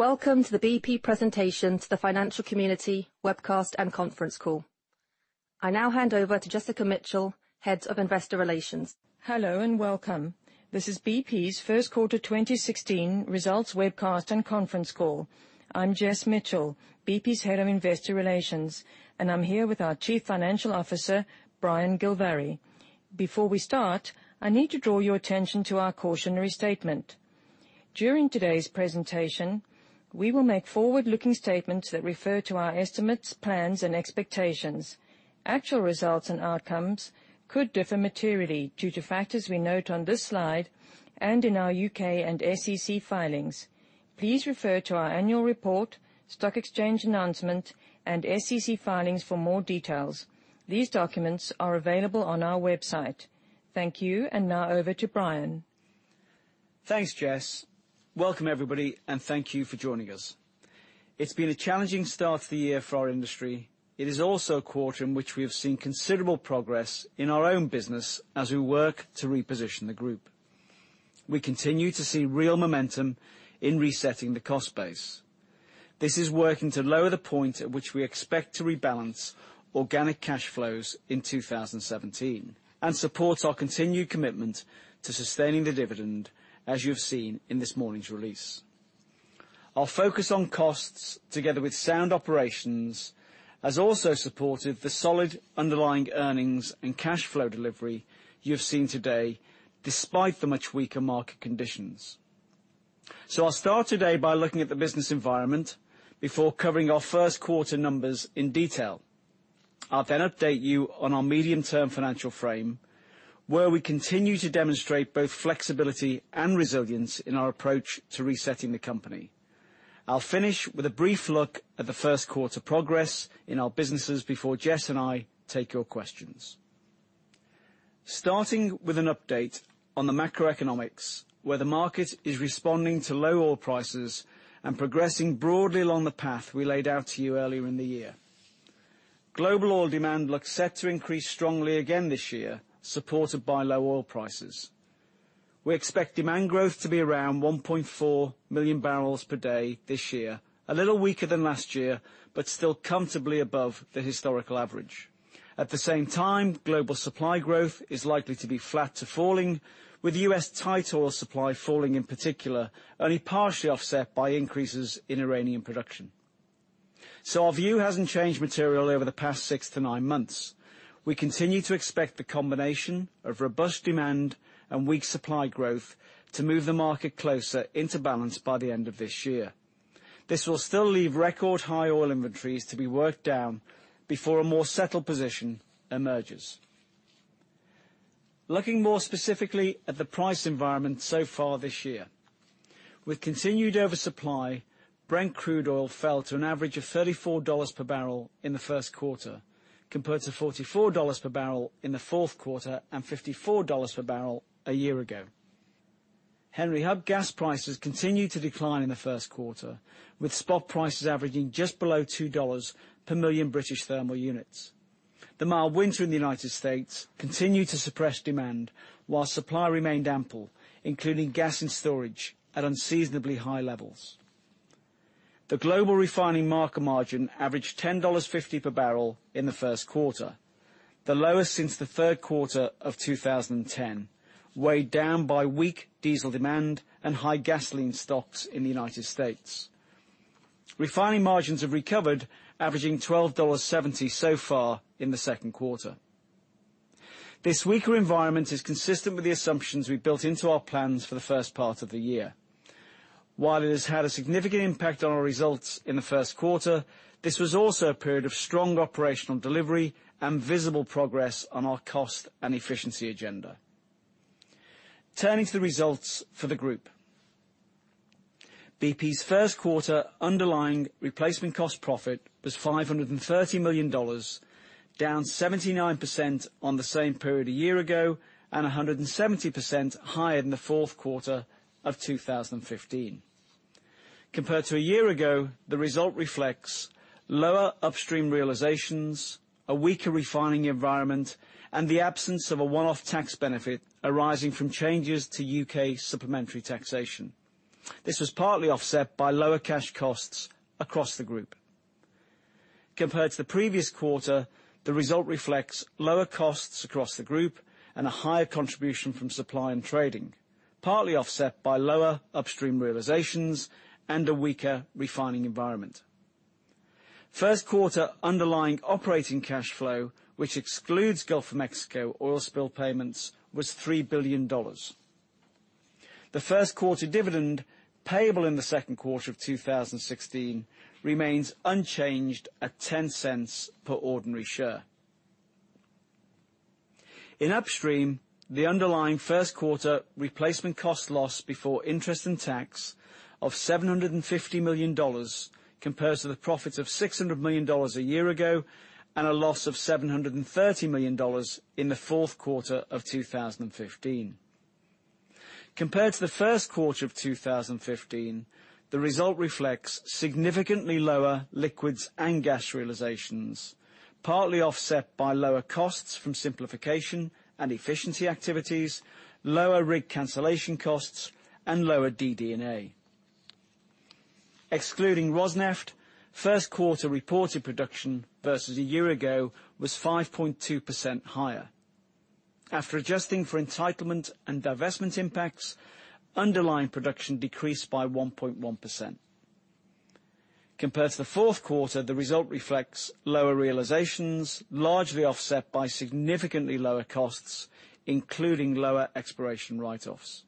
Welcome to the BP presentation to the financial community webcast and conference call. I now hand over to Jessica Mitchell, Head of Investor Relations. Hello, and welcome. This is BP's first quarter 2016 results webcast and conference call. I'm Jess Mitchell, BP's Head of Investor Relations, and I'm here with our Chief Financial Officer, Brian Gilvary. Before we start, I need to draw your attention to our cautionary statement. During today's presentation, we will make forward-looking statements that refer to our estimates, plans, and expectations. Actual results and outcomes could differ materially due to factors we note on this slide and in our U.K. and SEC filings. Please refer to our annual report, stock exchange announcement, and SEC filings for more details. These documents are available on our website. Thank you. Now over to Brian. Thanks, Jess. Welcome, everybody, and thank you for joining us. It's been a challenging start to the year for our industry. It is also a quarter in which we have seen considerable progress in our own business as we work to reposition the group. We continue to see real momentum in resetting the cost base. This is working to lower the point at which we expect to rebalance organic cash flows in 2017 and supports our continued commitment to sustaining the dividend, as you have seen in this morning's release. Our focus on costs together with sound operations has also supported the solid underlying earnings and cash flow delivery you have seen today, despite the much weaker market conditions. I'll start today by looking at the business environment before covering our first quarter numbers in detail. I'll update you on our medium-term financial frame, where we continue to demonstrate both flexibility and resilience in our approach to resetting the company. I'll finish with a brief look at the first quarter progress in our businesses before Jess and I take your questions. Starting with an update on the macroeconomics, where the market is responding to low oil prices and progressing broadly along the path we laid out to you earlier in the year. Global oil demand looks set to increase strongly again this year, supported by low oil prices. We expect demand growth to be around 1.4 million barrels per day this year, a little weaker than last year, but still comfortably above the historical average. At the same time, global supply growth is likely to be flat to falling, with U.S. tight oil supply falling in particular, only partially offset by increases in Iranian production. Our view hasn't changed materially over the past 6 to 9 months. We continue to expect the combination of robust demand and weak supply growth to move the market closer into balance by the end of this year. This will still leave record high oil inventories to be worked down before a more settled position emerges. Looking more specifically at the price environment so far this year. With continued oversupply, Brent crude oil fell to an average of $34 per barrel in the first quarter, compared to $44 per barrel in the fourth quarter and $54 per barrel a year ago. Henry Hub gas prices continued to decline in the first quarter, with spot prices averaging just below $2 per million British thermal units. The mild winter in the United States continued to suppress demand while supply remained ample, including gas and storage at unseasonably high levels. The global refining market margin averaged $10.50 per barrel in the first quarter, the lowest since the third quarter of 2010, weighed down by weak diesel demand and high gasoline stocks in the United States. Refining margins have recovered, averaging $12.70 so far in the second quarter. This weaker environment is consistent with the assumptions we built into our plans for the first part of the year. While it has had a significant impact on our results in the first quarter, this was also a period of strong operational delivery and visible progress on our cost and efficiency agenda. Turning to the results for the group. BP's first quarter underlying replacement cost profit was $530 million, down 79% on the same period a year ago and 170% higher than the fourth quarter of 2015. Compared to a year ago, the result reflects lower upstream realizations, a weaker refining environment, and the absence of a one-off tax benefit arising from changes to U.K. supplementary taxation. This was partly offset by lower cash costs across the group. Compared to the previous quarter, the result reflects lower costs across the group and a higher contribution from supply and trading, partly offset by lower upstream realizations and a weaker refining environment. First quarter underlying operating cash flow, which excludes Gulf of Mexico oil spill payments, was $3 billion. The first quarter dividend payable in the second quarter of 2016 remains unchanged at $0.10 per ordinary share. In upstream, the underlying first quarter replacement cost loss before interest and tax of $750 million compares to the profits of $600 million a year ago and a loss of $730 million in the fourth quarter of 2015. Compared to the first quarter of 2015, the result reflects significantly lower liquids and gas realizations, partly offset by lower costs from simplification and efficiency activities, lower rig cancellation costs, and lower DD&A. Excluding Rosneft, first quarter reported production versus a year ago was 5.2% higher. After adjusting for entitlement and divestment impacts, underlying production decreased by 1.1%. Compared to the fourth quarter, the result reflects lower realizations, largely offset by significantly lower costs, including lower exploration write-offs.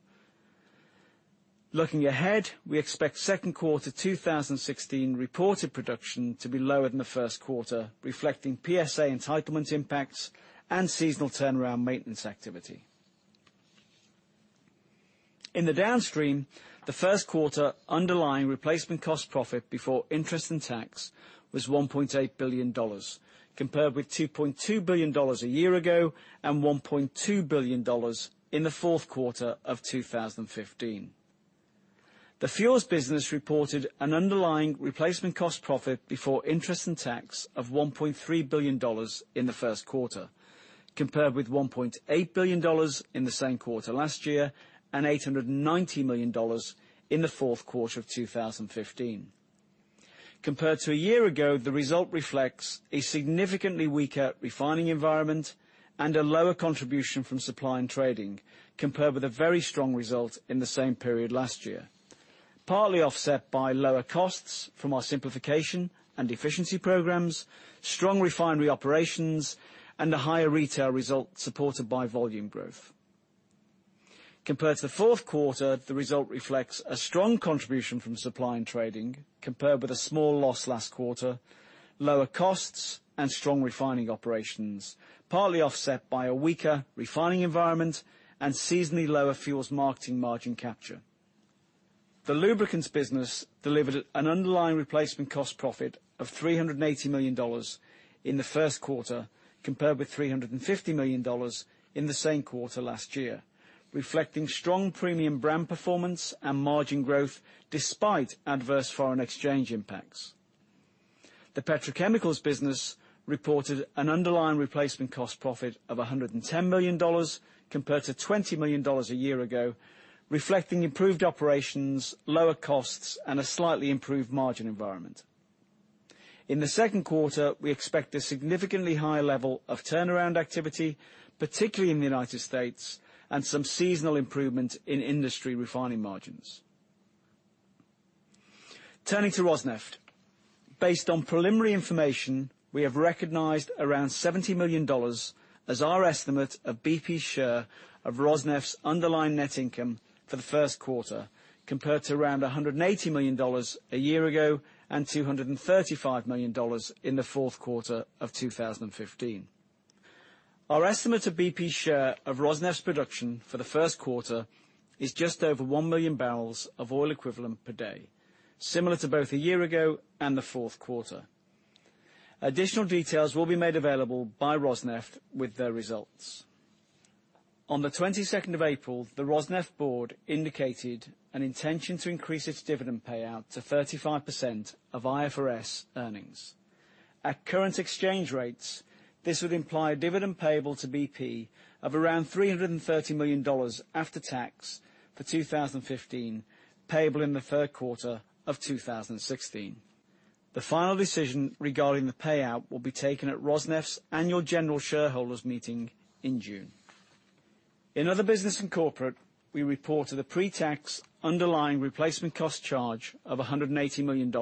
Looking ahead, we expect second quarter 2016 reported production to be lower than the first quarter, reflecting PSA entitlement impacts and seasonal turnaround maintenance activity. In the Downstream, the first quarter underlying replacement cost profit before interest and tax was $1.8 billion, compared with $2.2 billion a year ago and $1.2 billion in the fourth quarter of 2015. The fuels business reported an underlying replacement cost profit before interest and tax of $1.3 billion in the first quarter, compared with $1.8 billion in the same quarter last year and $890 million in the fourth quarter of 2015. Compared to a year ago, the result reflects a significantly weaker refining environment and a lower contribution from supply and trading compared with a very strong result in the same period last year, partly offset by lower costs from our simplification and efficiency programs, strong refinery operations, and a higher retail result supported by volume growth. Compared to the fourth quarter, the result reflects a strong contribution from supply and trading compared with a small loss last quarter, lower costs, and strong refining operations, partly offset by a weaker refining environment and seasonally lower fuels marketing margin capture. The lubricants business delivered an underlying replacement cost profit of $380 million in the first quarter, compared with $350 million in the same quarter last year, reflecting strong premium brand performance and margin growth despite adverse foreign exchange impacts. The petrochemicals business reported an underlying replacement cost profit of $110 million compared to $20 million a year ago, reflecting improved operations, lower costs, and a slightly improved margin environment. In the second quarter, we expect a significantly higher level of turnaround activity, particularly in the U.S., and some seasonal improvement in industry refining margins. Turning to Rosneft. Based on preliminary information, we have recognized around $70 million as our estimate of BP's share of Rosneft's underlying net income for the first quarter, compared to around $180 million a year ago and $235 million in the fourth quarter of 2015. Our estimate of BP's share of Rosneft's production for the first quarter is just over 1 million barrels of oil equivalent per day, similar to both a year ago and the fourth quarter. Additional details will be made available by Rosneft with their results. On the 22nd of April, the Rosneft board indicated an intention to increase its dividend payout to 35% of IFRS earnings. At current exchange rates, this would imply a dividend payable to BP of around $330 million after tax for 2015, payable in the third quarter of 2016. The final decision regarding the payout will be taken at Rosneft's annual general shareholders meeting in June. In Other Business and Corporate, we reported a pre-tax underlying replacement cost charge of $180 million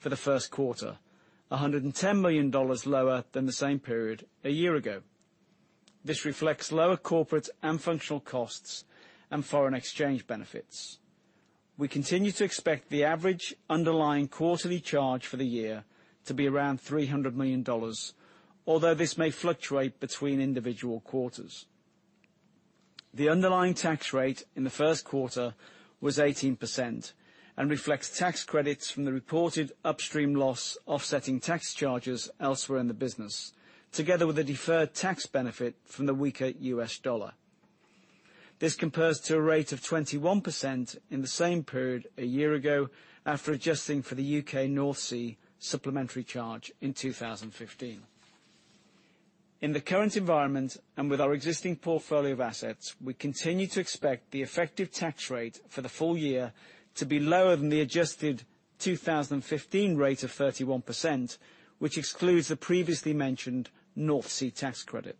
for the first quarter, $110 million lower than the same period a year ago. This reflects lower corporate and functional costs and foreign exchange benefits. We continue to expect the average underlying quarterly charge for the year to be around $300 million, although this may fluctuate between individual quarters. The underlying tax rate in the first quarter was 18% and reflects tax credits from the reported upstream loss offsetting tax charges elsewhere in the business, together with a deferred tax benefit from the weaker U.S. dollar. This compares to a rate of 21% in the same period a year ago, after adjusting for the U.K. North Sea supplementary charge in 2015. In the current environment, and with our existing portfolio of assets, we continue to expect the effective tax rate for the full year to be lower than the adjusted 2015 rate of 31%, which excludes the previously mentioned North Sea tax credit.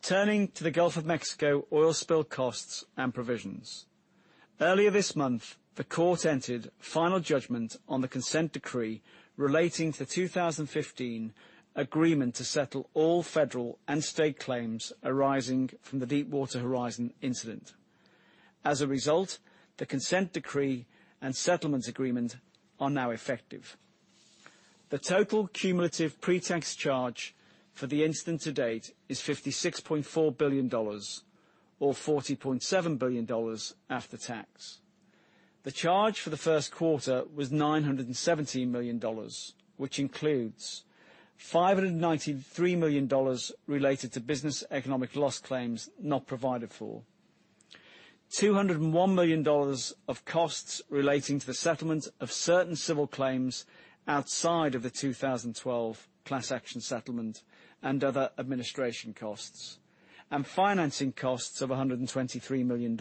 Turning to the Gulf of Mexico oil spill costs and provisions. Earlier this month, the court entered final judgment on the consent decree relating to the 2015 agreement to settle all federal and state claims arising from the Deepwater Horizon incident. As a result, the consent decree and settlement agreement are now effective. The total cumulative pre-tax charge for the incident to date is $56.4 billion, or $40.7 billion after tax. The charge for the first quarter was $917 million, which includes $593 million related to business economic loss claims not provided for, $201 million of costs relating to the settlement of certain civil claims outside of the 2012 class action settlement and other administration costs, and financing costs of $123 million.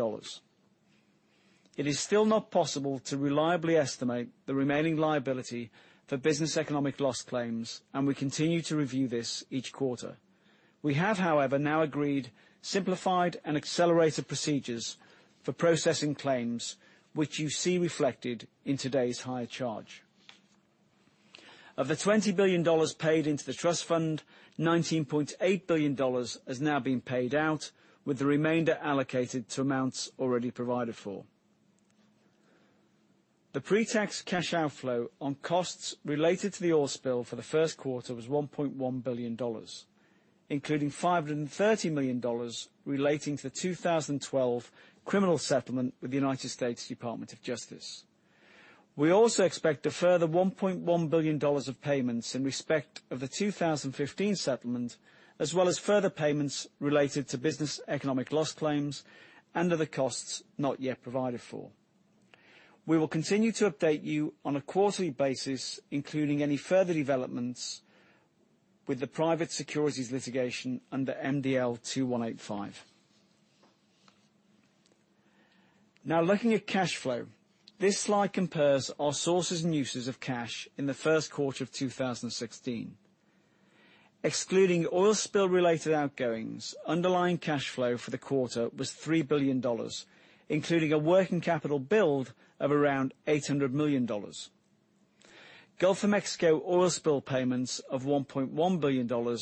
It is still not possible to reliably estimate the remaining liability for business economic loss claims, and we continue to review this each quarter. We have, however, now agreed simplified and accelerated procedures for processing claims, which you see reflected in today's higher charge. Of the $20 billion paid into the trust fund, $19.8 billion has now been paid out, with the remainder allocated to amounts already provided for. The pre-tax cash outflow on costs related to the oil spill for the first quarter was $1.1 billion, including $530 million relating to the 2012 criminal settlement with the United States Department of Justice. We also expect a further $1.1 billion of payments in respect of the 2015 settlement, as well as further payments related to business economic loss claims and other costs not yet provided for. We will continue to update you on a quarterly basis, including any further developments with the private securities litigation under MDL 2185. Looking at cash flow. This slide compares our sources and uses of cash in the first quarter of 2016. Excluding oil spill related outgoings, underlying cash flow for the quarter was $3 billion, including a working capital build of around $800 million. Gulf of Mexico oil spill payments of $1.1 billion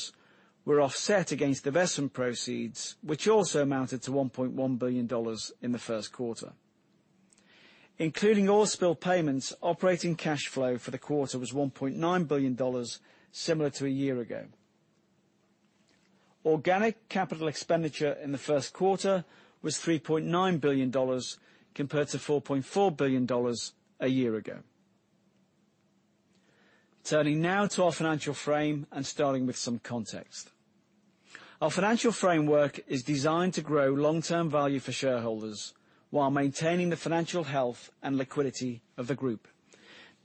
were offset against divestment proceeds, which also amounted to $1.1 billion in the first quarter. Including oil spill payments, operating cash flow for the quarter was $1.9 billion, similar to a year ago. Organic capital expenditure in the first quarter was $3.9 billion compared to $4.4 billion a year ago. Turning now to our financial frame and starting with some context. Our financial framework is designed to grow long-term value for shareholders while maintaining the financial health and liquidity of the group.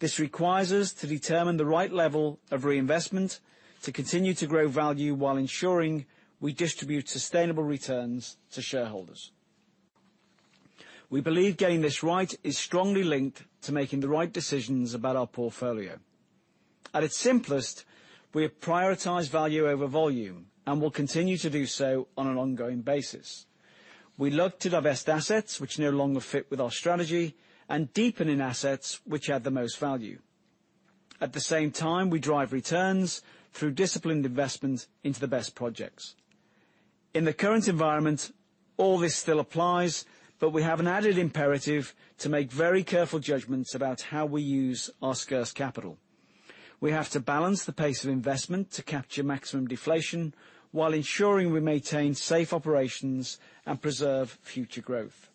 This requires us to determine the right level of reinvestment to continue to grow value while ensuring we distribute sustainable returns to shareholders. We believe getting this right is strongly linked to making the right decisions about our portfolio. At its simplest, we have prioritized value over volume and will continue to do so on an ongoing basis. We look to divest assets which no longer fit with our strategy and deepen in assets which add the most value. At the same time, we drive returns through disciplined investment into the best projects. In the current environment, all this still applies, but we have an added imperative to make very careful judgments about how we use our scarce capital. We have to balance the pace of investment to capture maximum deflation while ensuring we maintain safe operations and preserve future growth.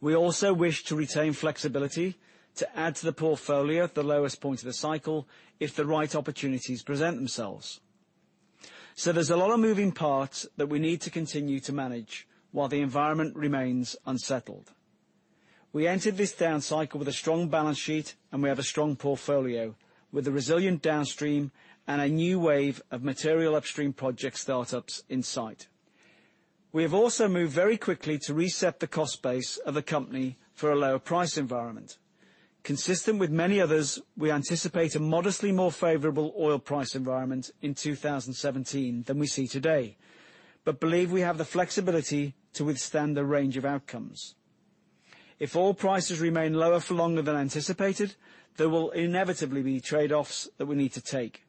We also wish to retain flexibility to add to the portfolio at the lowest point of the cycle if the right opportunities present themselves. There's a lot of moving parts that we need to continue to manage while the environment remains unsettled. We entered this down cycle with a strong balance sheet. We have a strong portfolio with a resilient downstream and a new wave of material upstream project startups in sight. We have also moved very quickly to reset the cost base of the company for a lower price environment. Consistent with many others, we anticipate a modestly more favorable oil price environment in 2017 than we see today, but believe we have the flexibility to withstand a range of outcomes. If oil prices remain lower for longer than anticipated, there will inevitably be trade-offs that we need to take.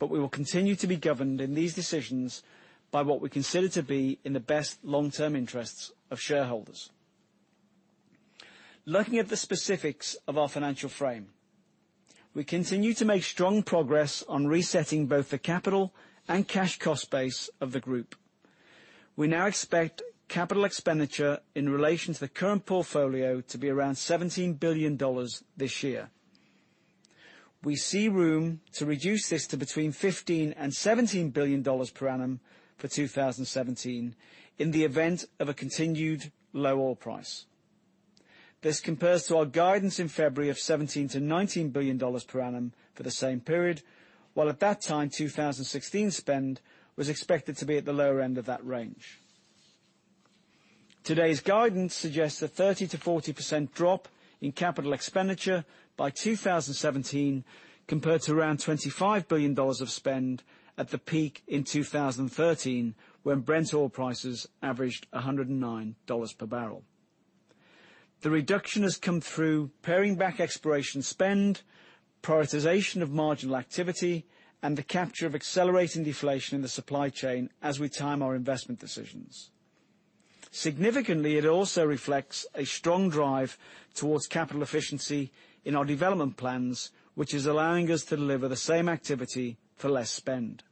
We will continue to be governed in these decisions by what we consider to be in the best long-term interests of shareholders. Looking at the specifics of our financial frame. We continue to make strong progress on resetting both the capital and cash cost base of the group. We now expect capital expenditure in relation to the current portfolio to be around $17 billion this year. We see room to reduce this to between $15 billion and $17 billion per annum for 2017 in the event of a continued low oil price. This compares to our guidance in February of $17 billion-$19 billion per annum for the same period, while at that time, 2016 spend was expected to be at the lower end of that range. Today's guidance suggests a 30%-40% drop in capital expenditure by 2017 compared to around $25 billion of spend at the peak in 2013, when Brent oil prices averaged $109 per barrel. The reduction has come through paring back exploration spend, prioritization of marginal activity, and the capture of accelerating deflation in the supply chain as we time our investment decisions. Significantly, it also reflects a strong drive towards capital efficiency in our development plans, which is allowing us to deliver the same activity for less spend.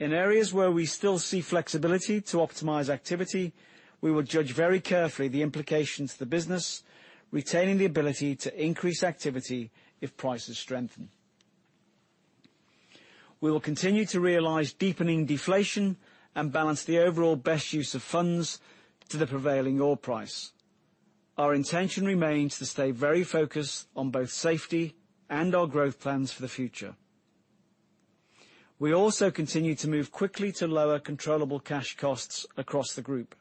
In areas where we still see flexibility to optimize activity, we will judge very carefully the implication to the business, retaining the ability to increase activity if prices strengthen. We will continue to realize deepening deflation and balance the overall best use of funds to the prevailing oil price. Our intention remains to stay very focused on both safety and our growth plans for the future. We also continue to move quickly to lower controllable cash costs across the group.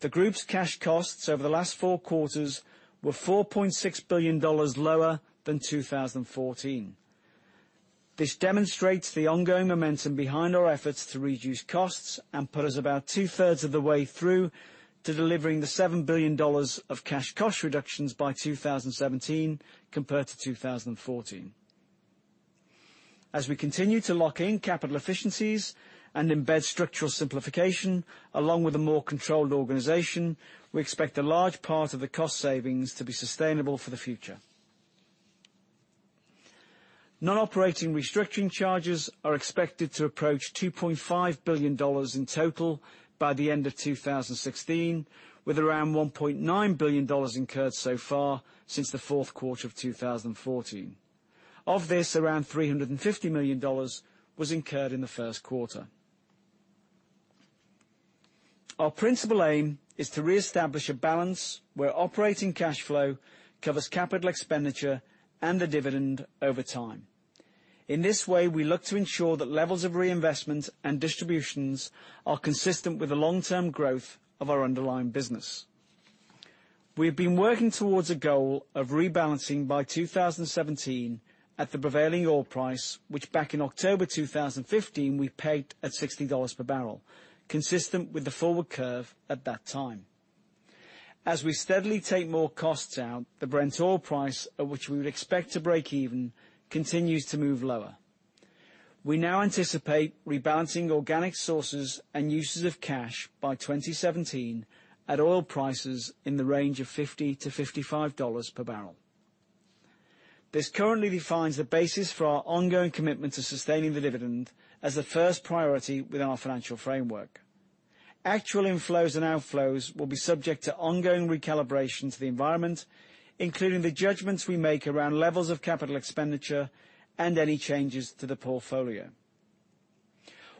The group's cash costs over the last four quarters were $4.6 billion lower than 2014. This demonstrates the ongoing momentum behind our efforts to reduce costs and put us about two-thirds of the way through to delivering the GBP 7 billion of cash cost reductions by 2017 compared to 2014. As we continue to lock in capital efficiencies and embed structural simplification along with a more controlled organization, we expect a large part of the cost savings to be sustainable for the future. Non-operating restructuring charges are expected to approach GBP 2.5 billion in total by the end of 2016, with around GBP 1.9 billion incurred so far since the fourth quarter of 2014. Of this, around GBP 350 million was incurred in the first quarter. Our principal aim is to reestablish a balance where operating cash flow covers capital expenditure and the dividend over time. In this way, we look to ensure that levels of reinvestment and distributions are consistent with the long-term growth of our underlying business. We have been working towards a goal of rebalancing by 2017 at the prevailing oil price, which back in October 2015, we pegged at $60 per barrel, consistent with the forward curve at that time. As we steadily take more costs out, the Brent oil price, at which we would expect to break even, continues to move lower. We now anticipate rebalancing organic sources and uses of cash by 2017 at oil prices in the range of $50 to $55 per barrel. This currently defines the basis for our ongoing commitment to sustaining the dividend as the first priority within our financial framework. Actual inflows and outflows will be subject to ongoing recalibration to the environment, including the judgments we make around levels of capital expenditure and any changes to the portfolio.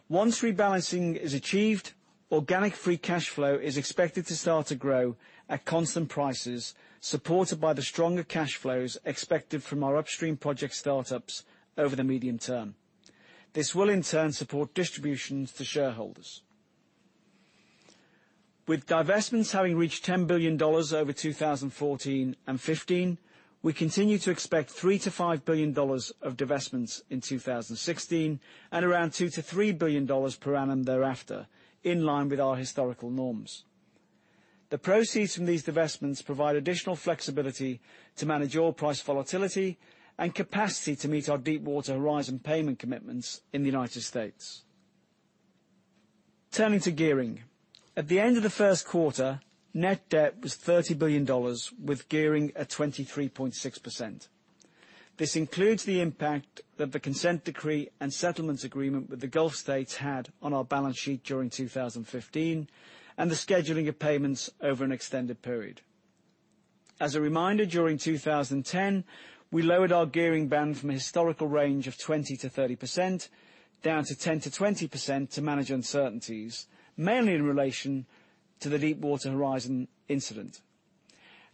Once rebalancing is achieved, organic free cash flow is expected to start to grow at constant prices, supported by the stronger cash flows expected from our upstream project startups over the medium term. This will in turn support distributions to shareholders. With divestments having reached GBP 10 billion over 2014 and 2015, we continue to expect GBP 3 billion-GBP 5 billion of divestments in 2016, and around GBP 2 billion-GBP 3 billion per annum thereafter, in line with our historical norms. The proceeds from these divestments provide additional flexibility to manage oil price volatility and capacity to meet our Deepwater Horizon payment commitments in the U.S. Turning to gearing. At the end of the first quarter, net debt was GBP 30 billion with gearing at 23.6%. This includes the impact that the consent decree and settlements agreement with the Gulf states had on our balance sheet during 2015, and the scheduling of payments over an extended period. As a reminder, during 2010, we lowered our gearing band from a historical range of 20%-30% down to 10%-20% to manage uncertainties, mainly in relation to the Deepwater Horizon incident.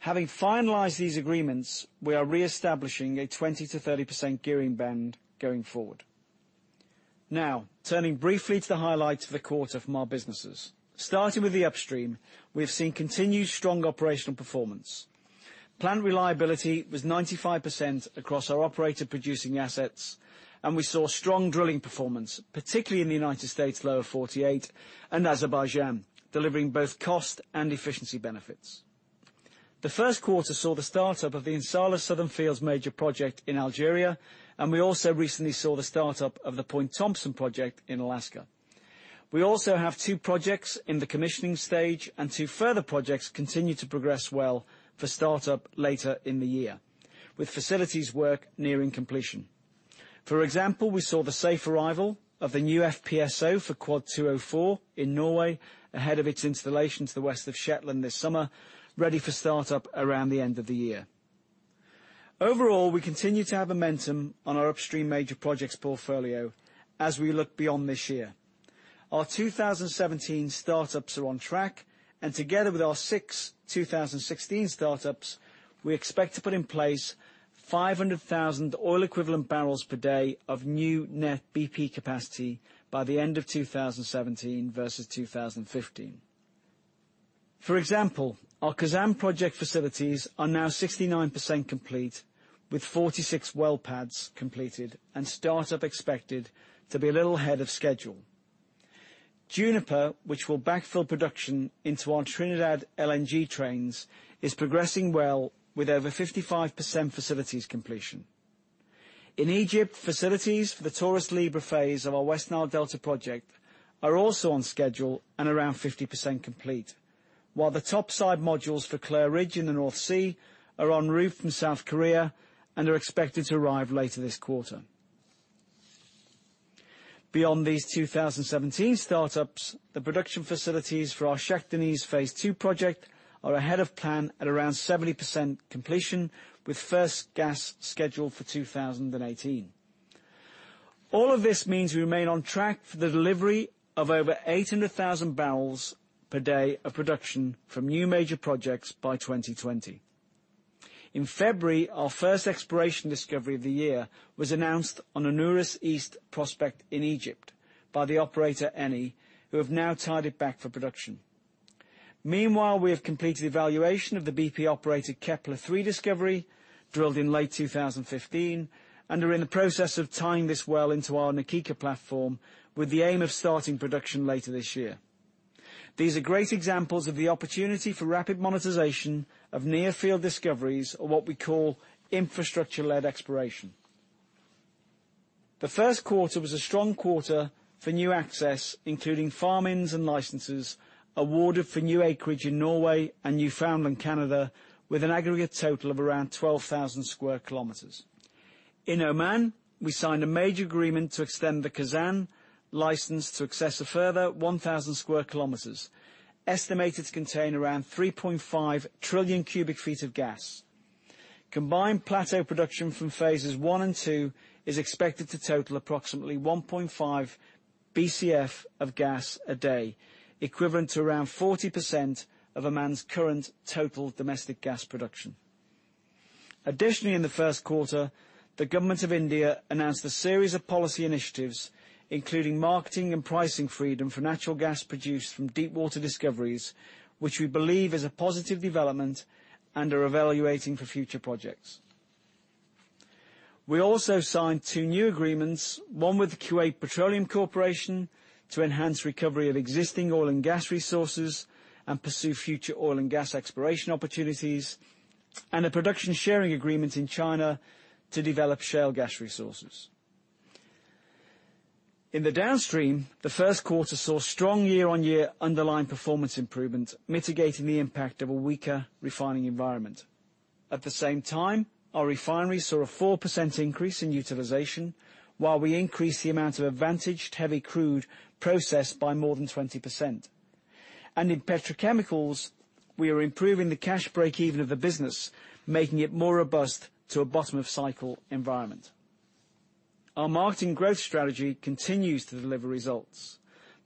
Having finalized these agreements, we are reestablishing a 20%-30% gearing band going forward. Turning briefly to the highlights of the quarter from our businesses. Starting with the upstream, we have seen continued strong operational performance. Plant reliability was 95% across our operator producing assets, and we saw strong drilling performance, particularly in the U.S. Lower 48 and Azerbaijan, delivering both cost and efficiency benefits. The first quarter saw the startup of the In Salah Southern Fields major project in Algeria. We also recently saw the startup of the Point Thompson project in Alaska. We also have two projects in the commissioning stage and two further projects continue to progress well for startup later in the year, with facilities work nearing completion. For example, we saw the safe arrival of the new FPSO for Quad 204 in Norway ahead of its installation to the west of Shetland this summer, ready for startup around the end of the year. Overall, we continue to have momentum on our upstream major projects portfolio as we look beyond this year. Our 2017 startups are on track, and together with our six 2016 startups, we expect to put in place 500,000 oil equivalent barrels per day of new net BP capacity by the end of 2017 versus 2015. For example, our Khazzan project facilities are now 69% complete, with 46 well pads completed and startup expected to be a little ahead of schedule. Juniper, which will backfill production into our Trinidad LNG trains, is progressing well with over 55% facilities completion. In Egypt, facilities for the Taurus-Libra phase of our West Nile Delta project are also on schedule and around 50% complete. While the topside modules for Clair Ridge in the North Sea are en route from South Korea and are expected to arrive later this quarter. Beyond these 2017 startups, the production facilities for our Shah Deniz Stage 2 project are ahead of plan at around 70% completion, with first gas scheduled for 2018. All of this means we remain on track for the delivery of over 800,000 barrels per day of production from new major projects by 2020. In February, our first exploration discovery of the year was announced on Anuris East Prospect in Egypt by the operator Eni, who have now tied it back for production. Meanwhile, we have completed evaluation of the BP-operated Kepler-3 discovery, drilled in late 2015, and are in the process of tying this well into our Na Kika platform with the aim of starting production later this year. These are great examples of the opportunity for rapid monetization of near-field discoveries, or what we call infrastructure-led exploration. The first quarter was a strong quarter for new access, including farm-ins and licenses awarded for new acreage in Norway and Newfoundland, Canada, with an aggregate total of around 12,000 square kilometers. In Oman, we signed a major agreement to extend the Khazzan license to access a further 1,000 square kilometers, estimated to contain around 3.5 trillion cubic feet of gas. Combined plateau production from phases one and two is expected to total approximately 1.5 BCF of gas a day, equivalent to around 40% of Oman's current total domestic gas production. In the first quarter, the government of India announced a series of policy initiatives, including marketing and pricing freedom for natural gas produced from deep water discoveries, which we believe is a positive development and are evaluating for future projects. We also signed two new agreements, one with the Kuwait Petroleum Corporation to enhance recovery of existing oil and gas resources and pursue future oil and gas exploration opportunities, and a production sharing agreement in China to develop shale gas resources. In the downstream, the first quarter saw strong year-on-year underlying performance improvement, mitigating the impact of a weaker refining environment. At the same time, our refineries saw a 4% increase in utilization, while we increased the amount of advantaged heavy crude processed by more than 20%. In petrochemicals, we are improving the cash break-even of the business, making it more robust to a bottom-of-cycle environment. Our marketing growth strategy continues to deliver results.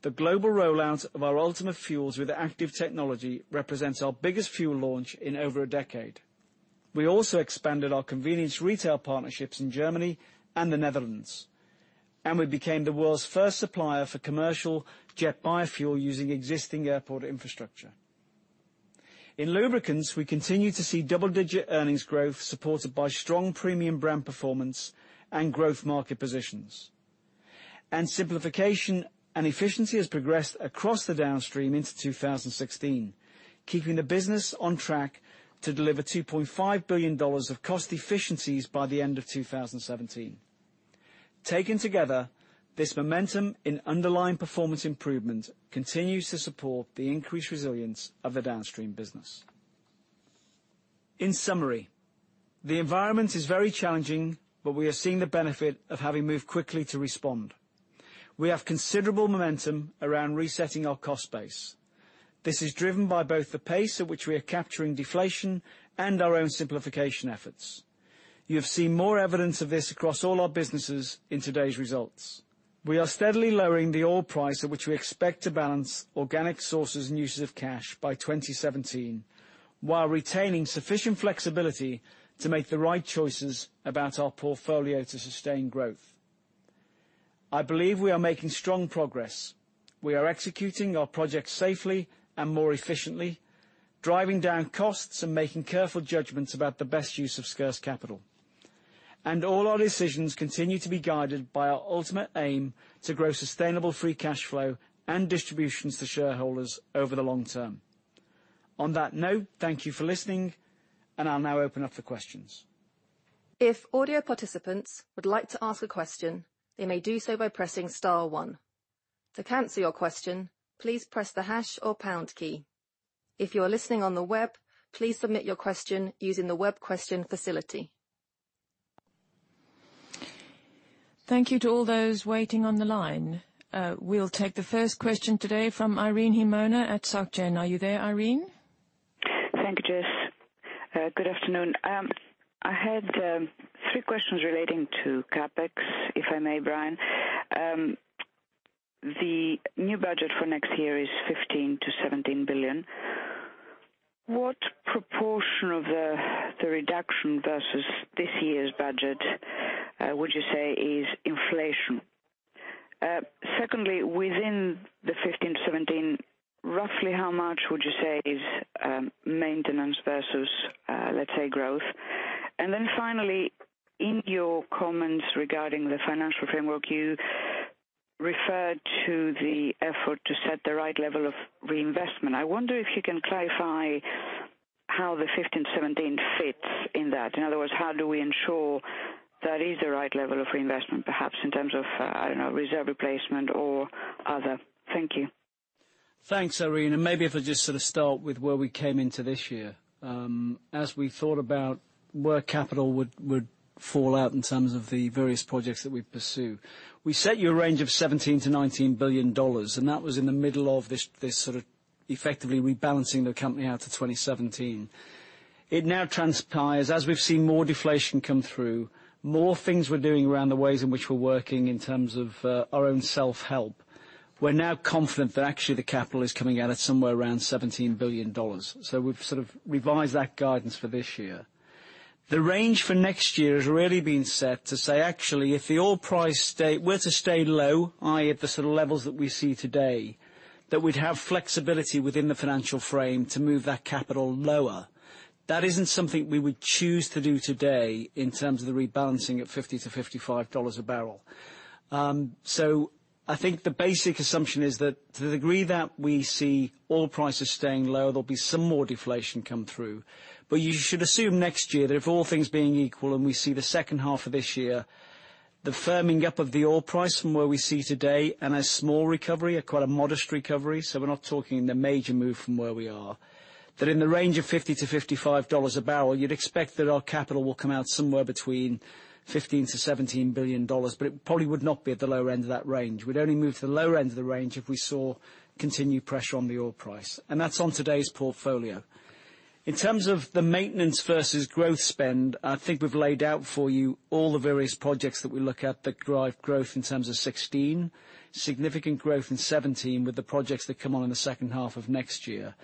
The global rollout of our Ultimate fuels with ACTIVE technology represents our biggest fuel launch in over a decade. We also expanded our convenience retail partnerships in Germany and the Netherlands, and we became the world's first supplier for commercial jet biofuel using existing airport infrastructure. In lubricants, we continue to see double-digit earnings growth supported by strong premium brand performance and growth market positions. Simplification and efficiency has progressed across the Downstream into 2016, keeping the business on track to deliver GBP 2.5 billion of cost efficiencies by the end of 2017. Taken together, this momentum in underlying performance improvement continues to support the increased resilience of the Downstream business. In summary, the environment is very challenging. We are seeing the benefit of having moved quickly to respond. We have considerable momentum around resetting our cost base. This is driven by both the pace at which we are capturing deflation and our own simplification efforts. You have seen more evidence of this across all our businesses in today's results. We are steadily lowering the oil price at which we expect to balance organic sources and uses of cash by 2017, while retaining sufficient flexibility to make the right choices about our portfolio to sustain growth. I believe we are making strong progress. We are executing our projects safely and more efficiently, driving down costs, and making careful judgments about the best use of scarce capital. All our decisions continue to be guided by our ultimate aim to grow sustainable free cash flow and distributions to shareholders over the long term. On that note, thank you for listening. I'll now open up for questions. If audio participants would like to ask a question, they may do so by pressing star one. To cancel your question, please press the hash or pound key. If you are listening on the web, please submit your question using the web question facility. Thank you to all those waiting on the line. We'll take the first question today from Irene Himona at Société Générale. Are you there, Irene? Thank you, Jess. Good afternoon. I had three questions relating to CapEx, if I may, Brian. The new budget for next year is $15 billion-$17 billion. What proportion of the reduction versus this year's budget would you say is inflation? Secondly, within the $15 billion-$17 billion, roughly how much would you say is maintenance versus let's say growth? Finally, in your comments regarding the financial framework, you referred to the effort to set the right level of reinvestment. I wonder if you can clarify how the $15 billion-$17 billion fits in that. In other words, how do we ensure that is the right level of reinvestment, perhaps in terms of, I don't know, reserve replacement or other? Thank you. Thanks, Irene. Maybe if I just sort of start with where we came into this year. As we thought about where capital would fall out in terms of the various projects that we'd pursue, we set you a range of $17 billion-$19 billion, and that was in the middle of this sort of effectively rebalancing the company out to 2017. It now transpires as we've seen more deflation come through, more things we're doing around the ways in which we're working in terms of our own self-help. We're now confident that actually the capital is coming out at somewhere around $17 billion. We've sort of revised that guidance for this year. The range for next year has really been set to say, actually, if the oil price were to stay low, i.e., at the sort of levels that we see today, that we'd have flexibility within the financial frame to move that capital lower. That isn't something we would choose to do today in terms of the rebalancing at $50-$55 a barrel. I think the basic assumption is that to the degree that we see oil prices staying low, there'll be some more deflation come through. You should assume next year that if all things being equal and we see the second half of this year, the firming up of the oil price from where we see today, and a small recovery, quite a modest recovery, so we're not talking the major move from where we are, that in the range of $50-$55 a barrel, you'd expect that our capital will come out somewhere between $15 billion-$17 billion, but it probably would not be at the lower end of that range. We'd only move to the lower end of the range if we saw continued pressure on the oil price. That's on today's portfolio. In terms of the maintenance versus growth spend, I think we've laid out for you all the various projects that we look at that drive growth in terms of 2016, significant growth in 2017 with the projects that come on in the second half of next year.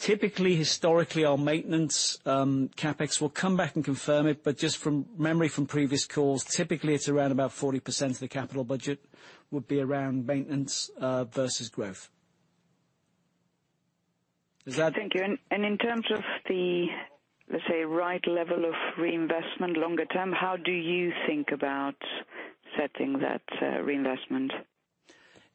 Typically, historically, our maintenance CapEx, we'll come back and confirm it, but just from memory from previous calls, typically, it's around about 40% of the capital budget would be around maintenance versus growth. Thank you. In terms of the, let's say, right level of reinvestment longer term, how do you think about setting that reinvestment?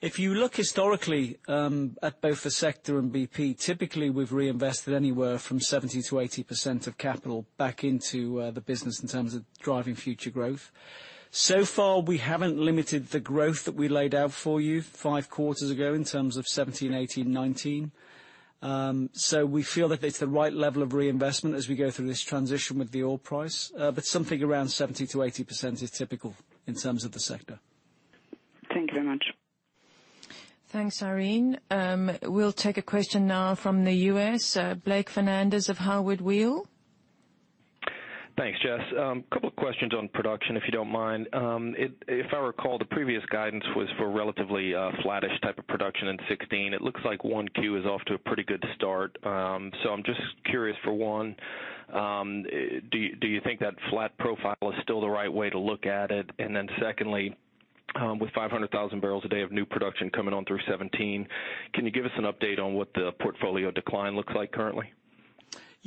If you look historically at both the sector and BP, typically, we've reinvested anywhere from 70%-80% of capital back into the business in terms of driving future growth. So far, we haven't limited the growth that we laid out for you five quarters ago in terms of 2017, 2018, 2019. We feel that it's the right level of reinvestment as we go through this transition with the oil price. Something around 70%-80% is typical in terms of the sector. Thank you very much. Thanks, Irene. We'll take a question now from the U.S. Blake Fernandez of Howard Weil. Thanks, Jess. Couple of questions on production, if you don't mind. If I recall, the previous guidance was for relatively flattish type of production in 2016. It looks like 1Q is off to a pretty good start. I'm just curious for one, do you think that flat profile is still the right way to look at it? Secondly, with 500,000 barrels a day of new production coming on through 2017, can you give us an update on what the portfolio decline looks like currently?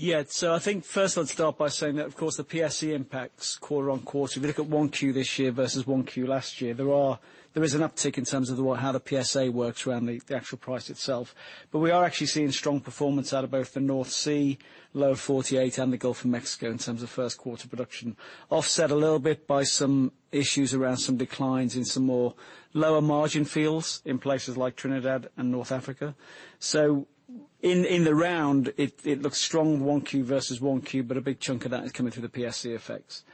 Yeah. I think first let's start by saying that, of course, the PSC impacts quarter on quarter. If you look at 1Q this year versus 1Q last year, there is an uptick in terms of how the PSA works around the actual price itself. We are actually seeing strong performance out of both the North Sea, Lower 48, and the Gulf of Mexico in terms of first quarter production. Offset a little bit by some issues around some declines in some more lower margin fields in places like Trinidad and North Africa. In the round, it looks strong, 1Q versus 1Q, but a big chunk of that is coming through the PSC effects.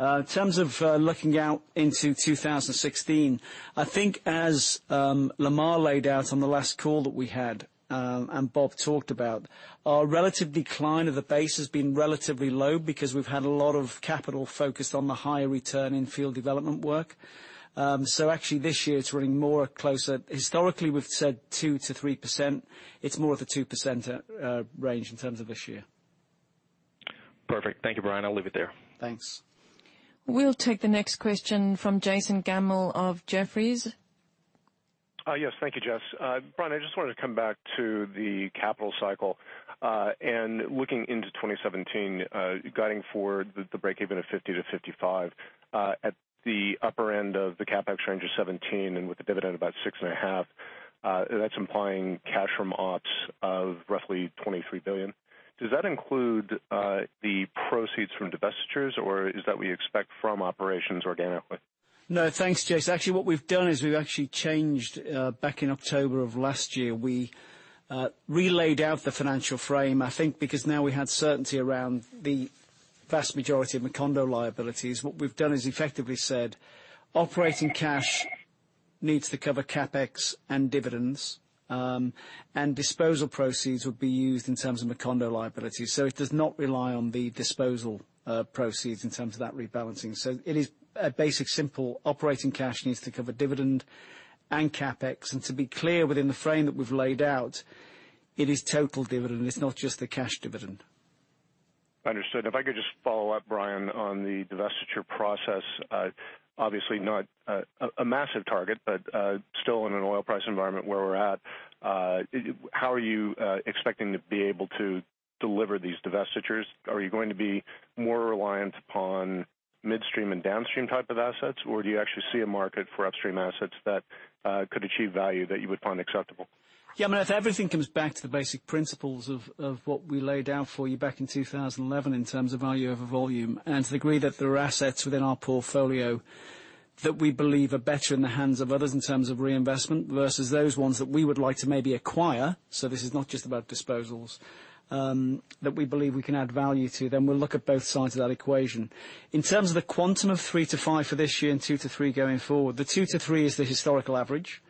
In terms of looking out into 2016, I think as Lamar laid out on the last call that we had, and Bob talked about, our relative decline of the base has been relatively low because we've had a lot of capital focused on the higher return in field development work. Actually, this year it's running more closer. Historically, we've said 2%-3%. It's more of a 2% range in terms of this year. Perfect. Thank you, Brian. I'll leave it there. Thanks. We'll take the next question from Jason Gammel of Jefferies. Yes. Thank you, Jess. Brian, I just wanted to come back to the capital cycle, looking into 2017, guiding for the breakeven of $50-$55. At the upper end of the CapEx range of 2017, with the dividend about six and a half, that's implying cash from ops of roughly $23 billion. Does that include the proceeds from divestitures, or is that what you expect from operations organically? No. Thanks, Jason. Actually, what we've done is we've actually changed back in October of last year. We re-laid out the financial frame, I think, because now we had certainty around the vast majority of Macondo liabilities. What we've done is effectively said operating cash needs to cover CapEx and dividends, and disposal proceeds would be used in terms of Macondo liabilities. It does not rely on the disposal proceeds in terms of that rebalancing. It is a basic, simple operating cash needs to cover dividend and CapEx. To be clear, within the frame that we've laid out, it is total dividend. It's not just the cash dividend. Understood. If I could just follow up, Brian, on the divestiture process. Obviously not a massive target, but still in an oil price environment where we're at, how are you expecting to be able to deliver these divestitures? Are you going to be more reliant upon midstream and downstream type of assets, or do you actually see a market for upstream assets that could achieve value that you would find acceptable? Yeah, I mean, everything comes back to the basic principles of what we laid out for you back in 2011 in terms of value over volume. To the degree that there are assets within our portfolio that we believe are better in the hands of others in terms of reinvestment versus those ones that we would like to maybe acquire, so this is not just about disposals, that we believe we can add value to, then we'll look at both sides of that equation. In terms of the quantum of three to five for this year and two to three going forward, the two to three is the historical average.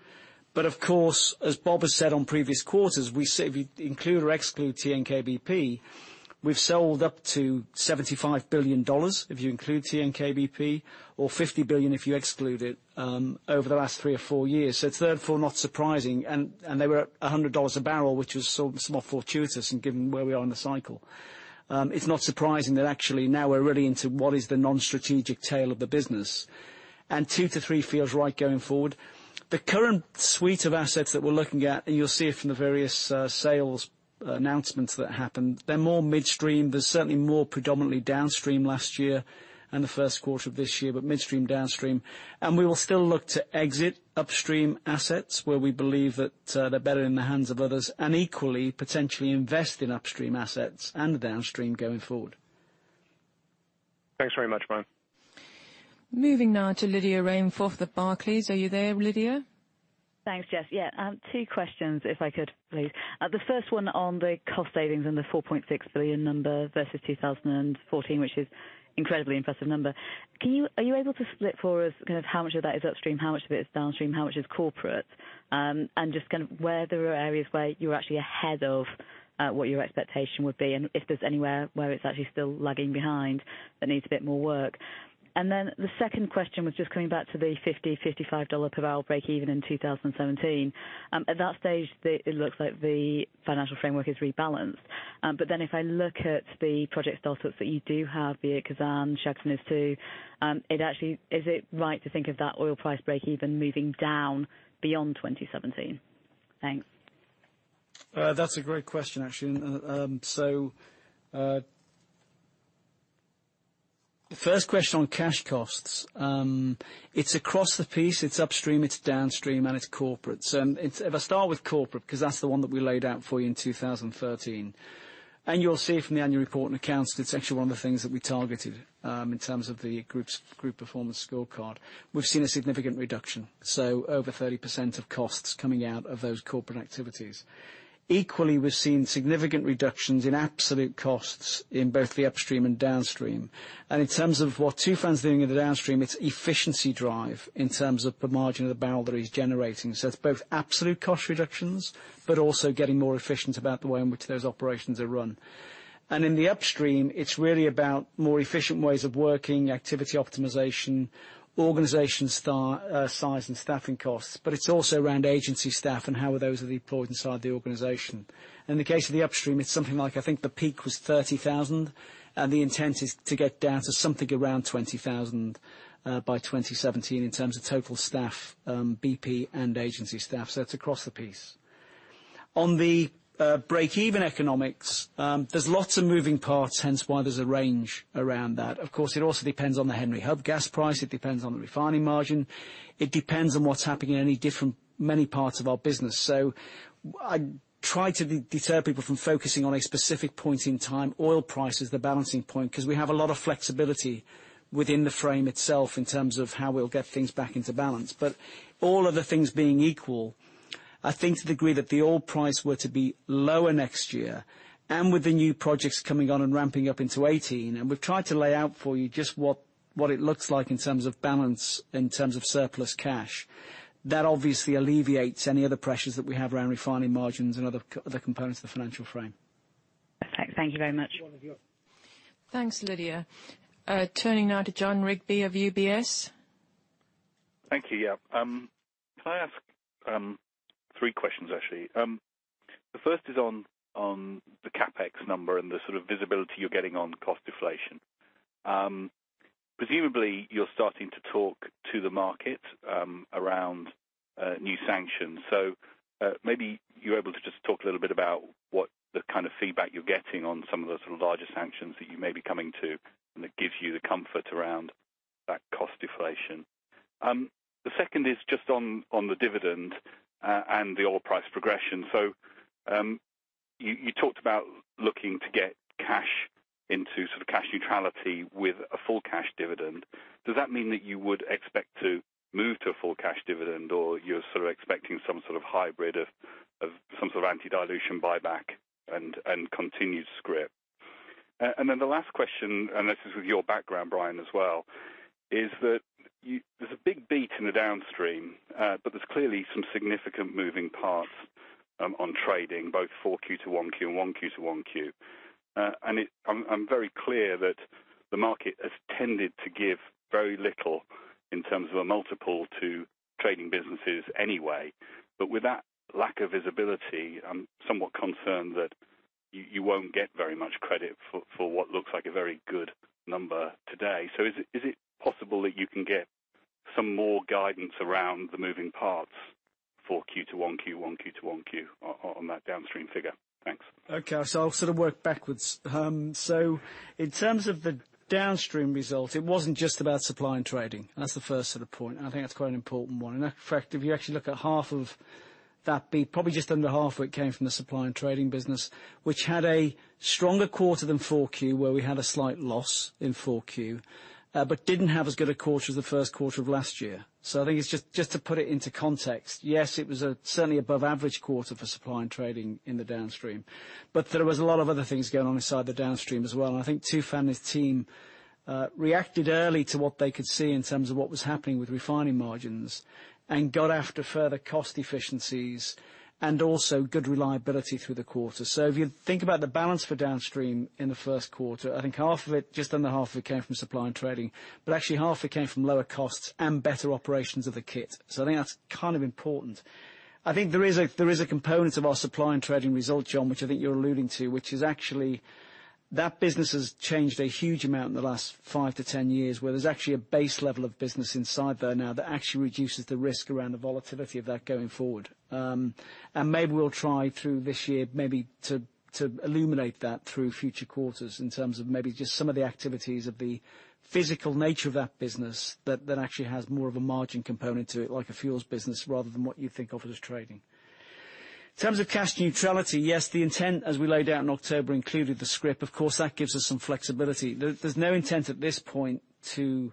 Of course, as Bob has said on previous quarters, if you include or exclude TNK-BP, we've sold up to $75 billion, if you include TNK-BP, or $50 billion if you exclude it, over the last three or four years. Therefore, not surprising. They were at $100 a barrel, which was sort of somewhat fortuitous given where we are in the cycle. It's not surprising that actually now we're really into what is the non-strategic tail of the business. Two to three feels right going forward. The current suite of assets that we're looking at, and you'll see it from the various sales announcements that happened, they're more midstream. There's certainly more predominantly downstream last year and the first quarter of this year, but midstream downstream. We will still look to exit upstream assets where we believe that they're better in the hands of others, equally, potentially invest in upstream assets and downstream going forward. Thanks very much, Brian. Moving now to Lydia Rainforth of Barclays. Are you there, Lydia? Thanks, Jess. Yeah. Two questions, if I could, please. The first one on the cost savings and the $4.6 billion number versus 2014, which is incredibly impressive number. Are you able to split for us how much of that is upstream, how much of it is downstream, how much is corporate? Just where there are areas where you're actually ahead of what your expectation would be, and if there's anywhere where it's actually still lagging behind that needs a bit more work. The second question was just coming back to the $50-$55 per barrel breakeven in 2017. At that stage, it looks like the financial framework is rebalanced. If I look at the project startups that you do have, be it Kazan, Shah Deniz Stage 2, is it right to think of that oil price breakeven moving down beyond 2017? Thanks. That's a great question, actually. The first question on cash costs, it's across the piece, it's upstream, it's downstream, and it's corporate. If I start with corporate, because that's the one that we laid out for you in 2013. You'll see from the annual report and accounts, it's actually one of the things that we targeted, in terms of the group performance scorecard. We've seen a significant reduction. Over 30% of costs coming out of those corporate activities. Equally, we've seen significant reductions in absolute costs in both the upstream and downstream. In terms of what Tufan's doing in the downstream, it's efficiency drive in terms of the margin of the barrel that he's generating. It's both absolute cost reductions, but also getting more efficient about the way in which those operations are run. In the upstream, it's really about more efficient ways of working, activity optimization, organization size and staffing costs. It's also around agency staff and how are those deployed inside the organization. In the case of the upstream, it's something like, I think the peak was 30,000, and the intent is to get down to something around 20,000 by 2017 in terms of total staff, BP and agency staff. It's across the piece. On the breakeven economics, there's lots of moving parts, hence why there's a range around that. Of course, it also depends on the Henry Hub gas price. It depends on the refining margin. It depends on what's happening in many parts of our business. I try to deter people from focusing on a specific point in time, oil price as the balancing point, because we have a lot of flexibility within the frame itself in terms of how we'll get things back into balance. All other things being equal, I think to the degree that the oil price were to be lower next year, and with the new projects coming on and ramping up into 2018, and we've tried to lay out for you just what it looks like in terms of balance, in terms of surplus cash. That obviously alleviates any other pressures that we have around refining margins and other components of the financial frame. Thank you very much. Thanks, Lydia. Turning now to Jon Rigby of UBS. Thank you. Can I ask three questions, actually? The first is on the CapEx number and the sort of visibility you're getting on cost deflation. Presumably, you're starting to talk to the market around new sanctions. Maybe you're able to just talk a little bit about what the kind of feedback you're getting on some of the larger sanctions that you may be coming to, and that gives you the comfort around that cost deflation. The second is just on the dividend and the oil price progression. You talked about looking to get cash into sort of cash neutrality with a full cash dividend. Does that mean that you would expect to move to a full cash dividend, or you're sort of expecting some sort of hybrid of some sort of anti-dilution buyback and continued scrip? The last question, and this is with your background, Brian, as well, is that there's a big beat in the downstream, but there's clearly some significant moving parts on trading, both 4Q to 1Q and 1Q to 1Q. I'm very clear that the market has tended to give very little in terms of a multiple to trading businesses anyway. With that lack of visibility, I'm somewhat concerned that you won't get very much credit for what looks like a very good number today. Is it possible that you can get some more guidance around the moving parts 4Q to 1Q to 1Q on that downstream figure? Thanks. I'll sort of work backwards. In terms of the downstream result, it wasn't just about supply and trading. That's the first sort of point, and I think that's quite an important one. In fact, if you actually look at half of that beat, probably just under half of it came from the supply and trading business, which had a stronger quarter than 4Q, where we had a slight loss in 4Q, but didn't have as good a quarter as the first quarter of last year. I think it's just to put it into context, yes, it was certainly above average quarter for supply and trading in the Downstream, but there was a lot of other things going on inside the Downstream as well, and I think Tufan and his team reacted early to what they could see in terms of what was happening with refining margins and got after further cost efficiencies and also good reliability through the quarter. If you think about the balance for Downstream in the first quarter, I think half of it, just under half of it came from supply and trading, but actually half it came from lower costs and better operations of the kit. I think that's kind of important. I think there is a component of our supply and trading result, Jon, which I think you're alluding to, which is actually that business has changed a huge amount in the last 5 to 10 years, where there's actually a base level of business inside there now that actually reduces the risk around the volatility of that going forward. Maybe we'll try through this year, maybe to illuminate that through future quarters in terms of maybe just some of the activities of the physical nature of that business that actually has more of a margin component to it, like a fuels business, rather than what you think of it as trading. In terms of cash neutrality, yes, the intent as we laid out in October included the scrip. That gives us some flexibility. There's no intent at this point to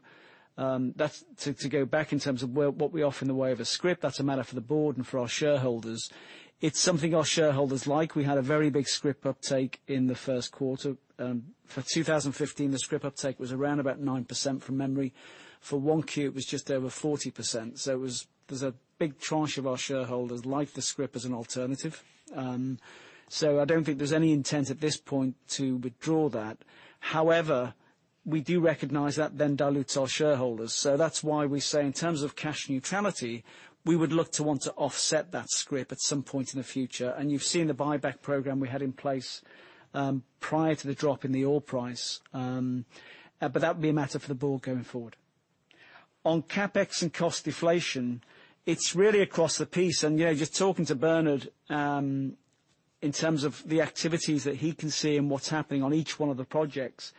go back in terms of what we offer in the way of a scrip. That's a matter for the board and for our shareholders. It's something our shareholders like. We had a very big scrip uptake in the first quarter. For 2015, the scrip uptake was around about 9% from memory. For 1Q, it was just over 40%. There's a big tranche of our shareholders like the scrip as an alternative. I don't think there's any intent at this point to withdraw that. However, we do recognize that then dilutes our shareholders. That's why we say in terms of cash neutrality, we would look to want to offset that scrip at some point in the future. You've seen the buyback program we had in place prior to the drop in the oil price. That would be a matter for the board going forward. On CapEx and cost deflation, it's really across the piece. Just talking to Bernard in terms of the activities that he can see and what's happening on each one of the projects.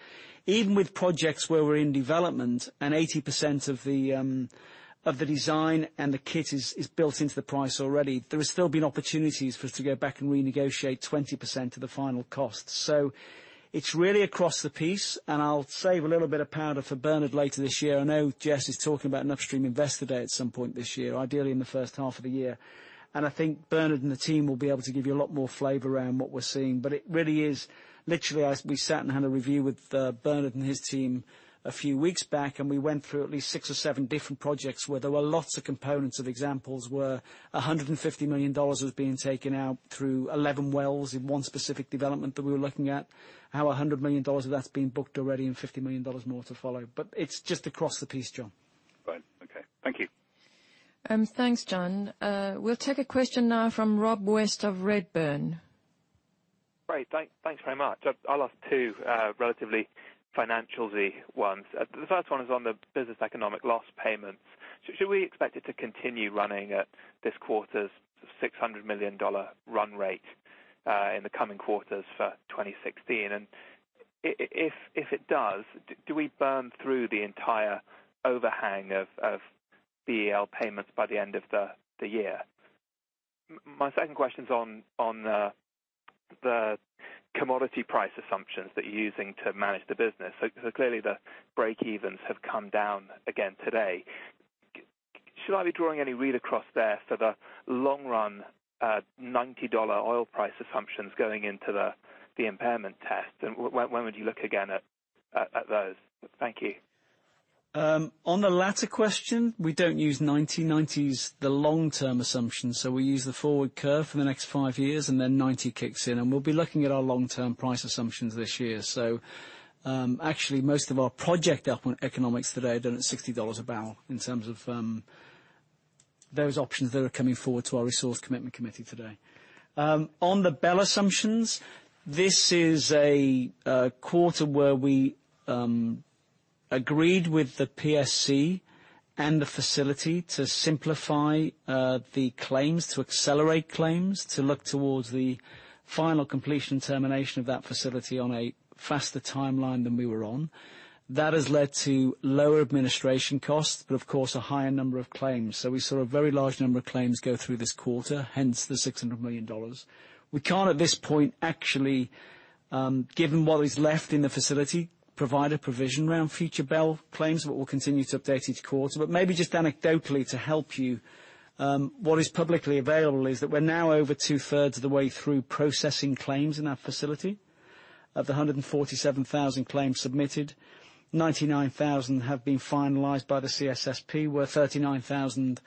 Even with projects where we're in development and 80% of the design and the kit is built into the price already, there has still been opportunities for us to go back and renegotiate 20% of the final cost. It's really across the piece, and I'll save a little bit of powder for Bernard later this year. I know Jess is talking about an Upstream investor day at some point this year, ideally in the first half of the year. I think Bernard and the team will be able to give you a lot more flavor around what we're seeing. It really is literally, as we sat and had a review with Bernard and his team a few weeks back, and we went through at least 6 or 7 different projects where there were lots of components of examples where $150 million was being taken out through 11 wells in one specific development that we were looking at. How $100 million of that's been booked already and $50 million more to follow. It's just across the piece, Jon. Right. Okay. Thank you. Thanks, Jon. We'll take a question now from Rob West of Redburn. Great. Thanks very much. I'll ask 2 relatively financial ones. The first one is on the business economic loss payments. Should we expect it to continue running at this quarter's $600 million run rate in the coming quarters for 2016? If it does, do we burn through the entire overhang of BEL payments by the end of the year? My second question's on the commodity price assumptions that you're using to manage the business. Clearly the break evens have come down again today. Should I be drawing any read across there for the long run at $90 oil price assumptions going into the impairment test? When would you look again at those? Thank you. On the latter question, we don't use 90. 90's the long-term assumption. We use the forward curve for the next five years, then 90 kicks in. We'll be looking at our long-term price assumptions this year. Actually, most of our project economics today are done at $60 a barrel in terms of those options that are coming forward to our resource commitment committee today. On the BEL assumptions, this is a quarter where we agreed with the PSC and the facility to simplify the claims, to accelerate claims, to look towards the final completion termination of that facility on a faster timeline than we were on. That has led to lower administration costs, but of course, a higher number of claims. We saw a very large number of claims go through this quarter, hence the $600 million. We can't at this point, actually, given what is left in the facility, provide a provision around future BEL claims, but we'll continue to update each quarter. Maybe just anecdotally to help you, what is publicly available is that we're now over two-thirds of the way through processing claims in that facility. Of the 147,000 claims submitted, 99,000 have been finalized by the CSSP, where 39,000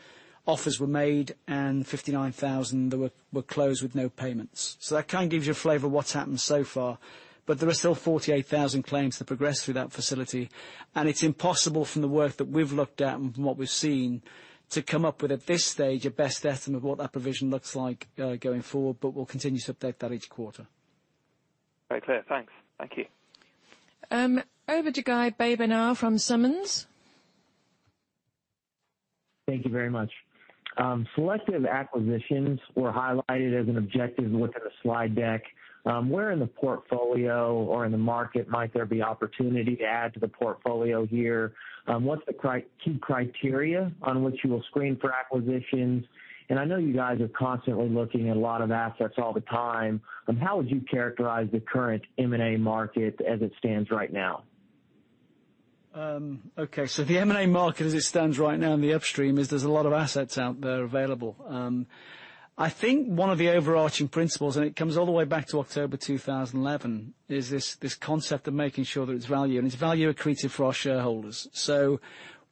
offers were made and 59,000 were closed with no payments. That kind of gives you a flavor of what's happened so far. There are still 48,000 claims to progress through that facility. It's impossible from the work that we've looked at and from what we've seen, to come up with, at this stage, a best estimate of what that provision looks like going forward. We'll continue to update that each quarter. Very clear. Thanks. Thank you. Over to Guy Baber from Simmons. Thank you very much. Selective acquisitions were highlighted as an objective within the slide deck. Where in the portfolio or in the market might there be opportunity to add to the portfolio here? What's the key criteria on which you will screen for acquisitions? I know you guys are constantly looking at a lot of assets all the time. How would you characterize the current M&A market as it stands right now? Okay. The M&A market as it stands right now in the upstream is there's a lot of assets out there available. I think one of the overarching principles, it comes all the way back to October 2011, is this concept of making sure that it's value and it's value accretive for our shareholders.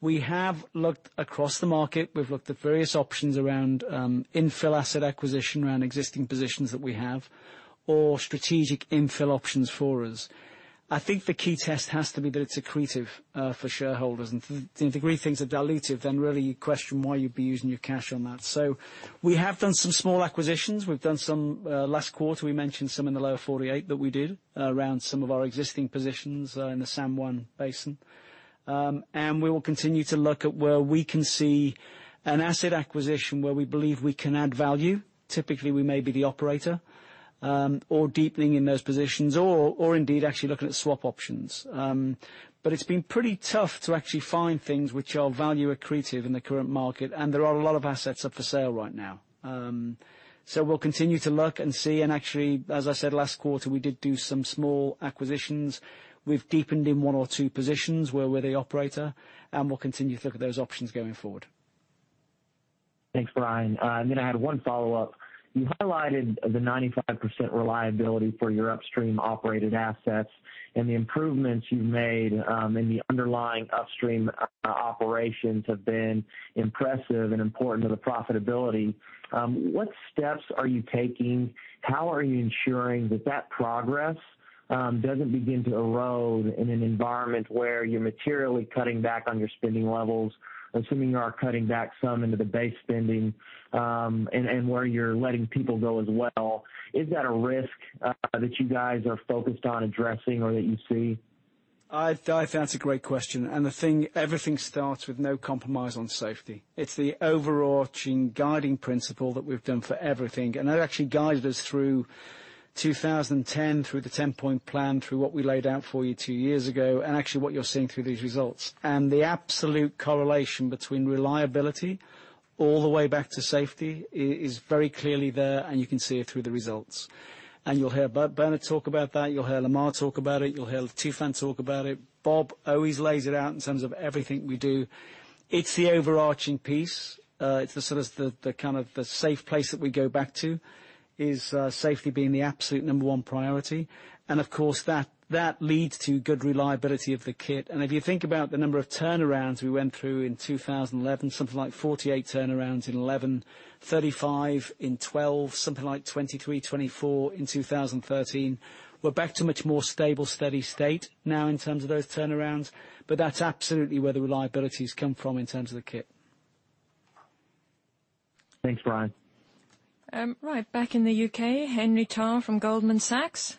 We have looked across the market. We've looked at various options around infill asset acquisition around existing positions that we have or strategic infill options for us. I think the key test has to be that it's accretive for shareholders. To the degree things are dilutive, really you question why you'd be using your cash on that. We have done some small acquisitions. We've done some last quarter. We mentioned some in the lower 48 that we did around some of our existing positions in the San Juan Basin. We will continue to look at where we can see an asset acquisition where we believe we can add value. Typically, we may be the operator or deepening in those positions or indeed actually looking at swap options. It's been pretty tough to actually find things which are value accretive in the current market. There are a lot of assets up for sale right now. We'll continue to look and see. Actually, as I said last quarter, we did do some small acquisitions. We've deepened in one or two positions where we're the operator, and we'll continue to look at those options going forward. Thanks, Brian. I had one follow-up. You highlighted the 95% reliability for your upstream operated assets, the improvements you've made in the underlying upstream operations have been impressive and important to the profitability. What steps are you taking? How are you ensuring that that progress doesn't begin to erode in an environment where you're materially cutting back on your spending levels, assuming you are cutting back some into the base spending, and where you're letting people go as well? Is that a risk that you guys are focused on addressing or that you see? I think that's a great question. Everything starts with no compromise on safety. It's the overarching guiding principle that we've done for everything. That actually guided us through 2010, through the 10-point plan, through what we laid out for you two years ago, and actually what you're seeing through these results. The absolute correlation between reliability all the way back to safety is very clearly there, and you can see it through the results. You'll hear Bernard talk about that. You'll hear Lamar talk about it. You'll hear Tufan talk about it. Bob always lays it out in terms of everything we do. It's the overarching piece. It's the safe place that we go back to, is safety being the absolute number one priority. And of course, that leads to good reliability of the kit. If you think about the number of turnarounds we went through in 2011, something like 48 turnarounds in 2011, 35 in 2012, something like 23, 24 in 2013. We're back to a much more stable, steady state now in terms of those turnarounds. That's absolutely where the reliability has come from in terms of the kit. Thanks, Brian. Right, back in the U.K., Henry Tarr from Goldman Sachs.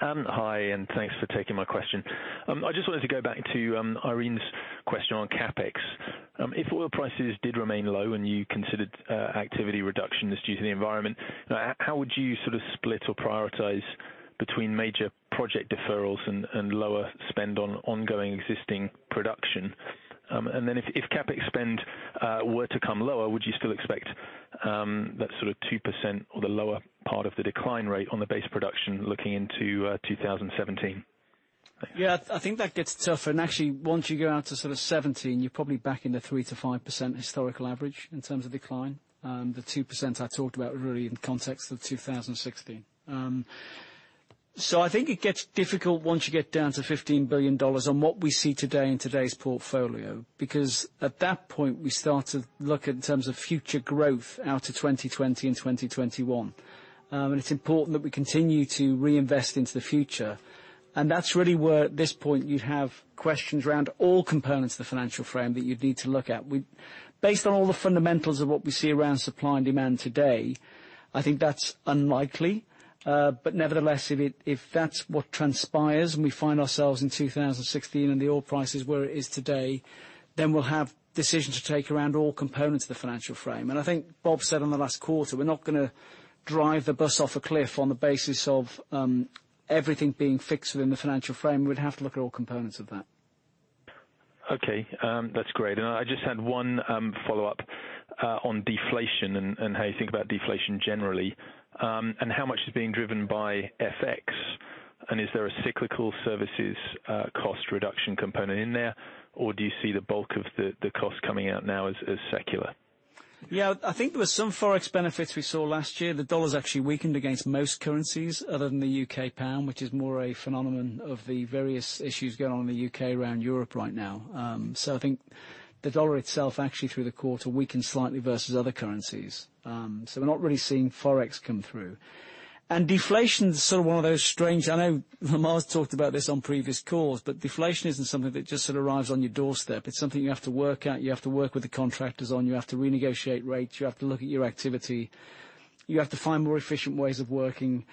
Hi, thanks for taking my question. I just wanted to go back to Irene's question on CapEx. If oil prices did remain low and you considered activity reductions due to the environment, how would you split or prioritize between major project deferrals and lower spend on ongoing existing production? If CapEx spend were to come lower, would you still expect that 2% or the lower part of the decline rate on the base production looking into 2017? Yeah, I think that gets tough. Actually, once you go out to 2017, you're probably back in the 3%-5% historical average in terms of decline. The 2% I talked about really in context of 2016. I think it gets difficult once you get down to $15 billion on what we see today in today's portfolio, because at that point, we start to look in terms of future growth out to 2020 and 2021. It's important that we continue to reinvest into the future. That's really where, at this point, you'd have questions around all components of the financial frame that you'd need to look at. Based on all the fundamentals of what we see around supply and demand today, I think that's unlikely. Nevertheless, if that's what transpires, and we find ourselves in 2016 and the oil price is where it is today, we'll have decisions to take around all components of the financial frame. I think Bob said on the last quarter, we're not going to drive the bus off a cliff on the basis of everything being fixed within the financial frame. We'd have to look at all components of that. Okay. That's great. I just had one follow-up on deflation and how you think about deflation generally. How much is being driven by FX, and is there a cyclical services cost reduction component in there? Or do you see the bulk of the cost coming out now as secular? Yeah, I think there was some Forex benefits we saw last year. The dollar's actually weakened against most currencies other than the U.K. pound, which is more a phenomenon of the various issues going on in the U.K. around Europe right now. I think the dollar itself actually through the quarter weakened slightly versus other currencies. We're not really seeing Forex come through. Deflation's one of those strange. I know Lamar's talked about this on previous calls, but deflation isn't something that just arrives on your doorstep. It's something you have to work at. You have to work with the contractors on. You have to renegotiate rates. You have to look at your activity. You have to find more efficient ways of working.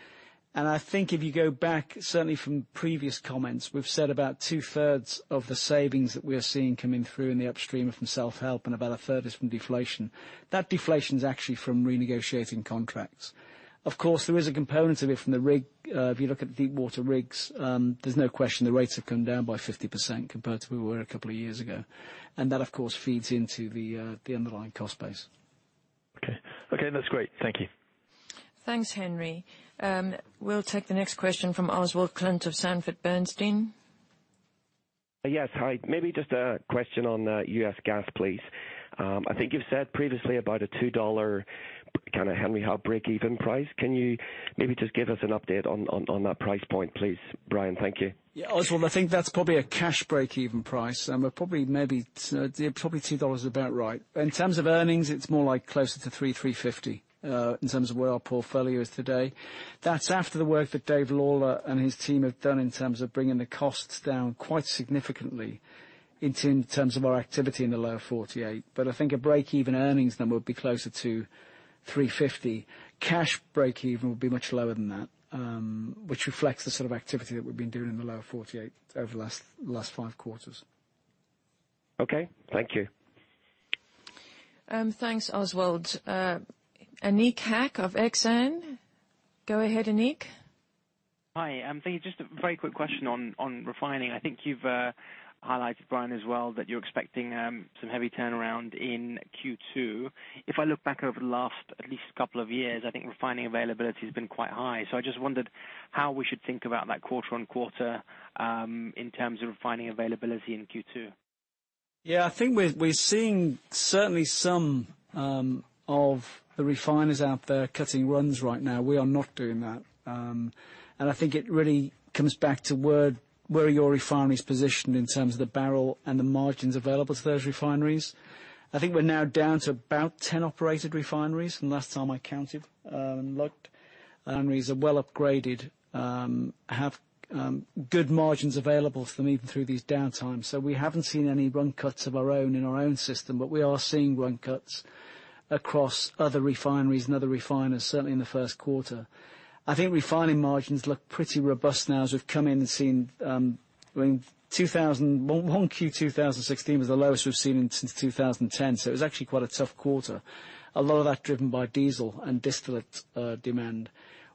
I think if you go back, certainly from previous comments, we've said about two-thirds of the savings that we are seeing coming through in the upstream are from self-help and about a third is from deflation. That deflation is actually from renegotiating contracts. Of course, there is a component of it from the rig. If you look at deep water rigs, there's no question the rates have come down by 50% compared to where we were a couple of years ago. That, of course, feeds into the underlying cost base. Okay. That's great. Thank you. Thanks, Henry. We'll take the next question from Oswald Clint of Sanford C. Bernstein. Yes. Hi. Maybe just a question on U.S. gas, please. I think you've said previously about a $2 kind of Henry Hub break-even price. Can you maybe just give us an update on that price point, please? Brian, thank you. Oswald, I think that's probably a cash break-even price. Probably $2 is about right. In terms of earnings, it's more like closer to $3, $3.50 in terms of where our portfolio is today. That's after the work that David Lawler and his team have done in terms of bringing the costs down quite significantly in terms of our activity in the lower 48. I think a break-even earnings number would be closer to $3.50. Cash break-even would be much lower than that, which reflects the sort of activity that we've been doing in the lower 48 over the last five quarters. Okay. Thank you. Thanks, Oswald. Anik Haque of Exane. Go ahead, Anik. Hi. Thank you. Just a very quick question on refining. I think you've highlighted, Brian, as well, that you're expecting some heavy turnaround in Q2. If I look back over the last at least couple of years, I think refining availability has been quite high. I just wondered how we should think about that quarter-on-quarter in terms of refining availability in Q2. Yeah, I think we're seeing certainly some of the refiners out there cutting runs right now. We are not doing that. I think it really comes back to where your refinery is positioned in terms of the barrel and the margins available to those refineries. I think we're now down to about 10 operated refineries from last time I counted. Refineries are well upgraded, have good margins available for them even through these downtimes. We haven't seen any run cuts of our own in our own system, but we are seeing run cuts across other refineries and other refiners, certainly in the first quarter. I think refining margins look pretty robust now as we've come in and seen. 1Q 2016 was the lowest we've seen since 2010, so it was actually quite a tough quarter. A lot of that driven by diesel and distillate demand.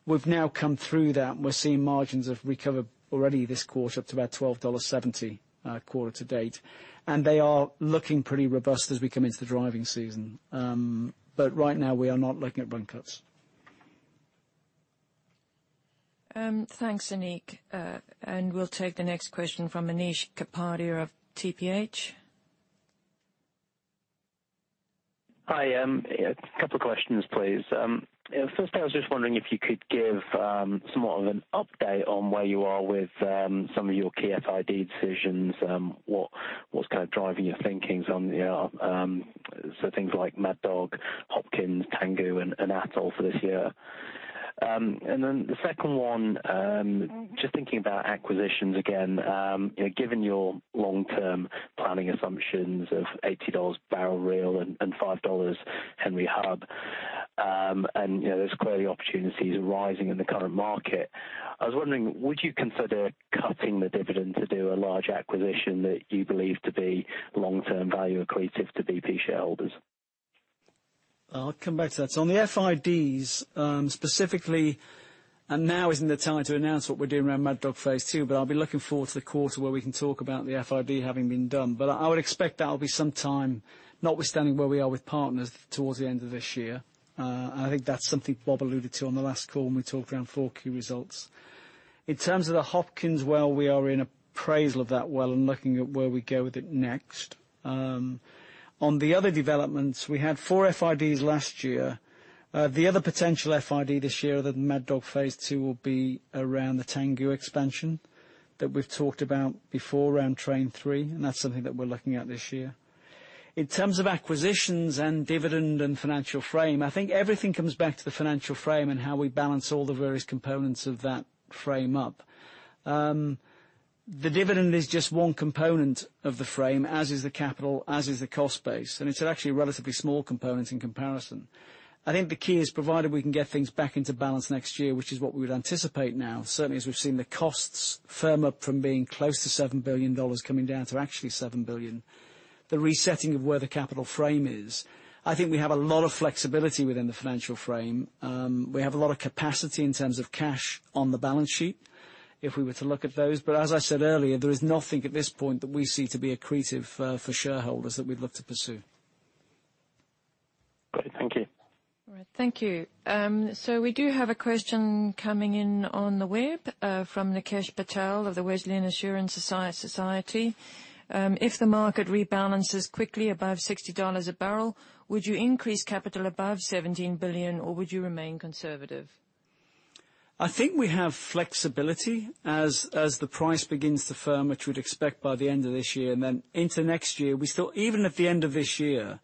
We've now come through that and we're seeing margins have recovered already this quarter up to about $12.70 quarter-to-date. They are looking pretty robust as we come into the driving season. Right now we are not looking at run cuts. Thanks, Anik. We'll take the next question from Anish Kapadia of TPH. Hi. A couple questions, please. Firstly, I was just wondering if you could give somewhat of an update on where you are with some of your key FID decisions. What's kind of driving your thinkings on things like Mad Dog, Hopkins, Tangguh, and Atoll for this year? The second one, just thinking about acquisitions again. Given your long-term planning assumptions of $80 Brent and $5 Henry Hub, there's clearly opportunities arising in the current market, I was wondering, would you consider cutting the dividend to do a large acquisition that you believe to be long-term value accretive to BP shareholders? I'll come back to that. On the FIDs, specifically, now isn't the time to announce what we're doing around Mad Dog Phase 2, I'll be looking forward to the quarter where we can talk about the FID having been done. I would expect that'll be some time, notwithstanding where we are with partners towards the end of this year. I think that's something Bob alluded to on the last call when we talked around 4Q results. In terms of the Hopkins well, we are in appraisal of that well and looking at where we go with it next. On the other developments, we had four FIDs last year. The other potential FID this year other than Mad Dog Phase 2 will be around the Tangguh expansion that we've talked about before around train 3, that's something that we're looking at this year. In terms of acquisitions and dividend and financial frame, I think everything comes back to the financial frame and how we balance all the various components of that frame up. The dividend is just one component of the frame, as is the capital, as is the cost base, and it's actually a relatively small component in comparison. I think the key is provided we can get things back into balance next year, which is what we would anticipate now, certainly as we've seen the costs firm up from being close to $7 billion coming down to actually $7 billion, the resetting of where the capital frame is. I think we have a lot of flexibility within the financial frame. We have a lot of capacity in terms of cash on the balance sheet, if we were to look at those. As I said earlier, there is nothing at this point that we see to be accretive for shareholders that we'd look to pursue. Great. Thank you. All right. Thank you. We do have a question coming in on the web from Nikesh Patel of the Wesleyan Assurance Society. If the market rebalances quickly above $60 a barrel, would you increase capital above $17 billion, or would you remain conservative? I think we have flexibility as the price begins to firm, which we'd expect by the end of this year. Into next year, even at the end of this year,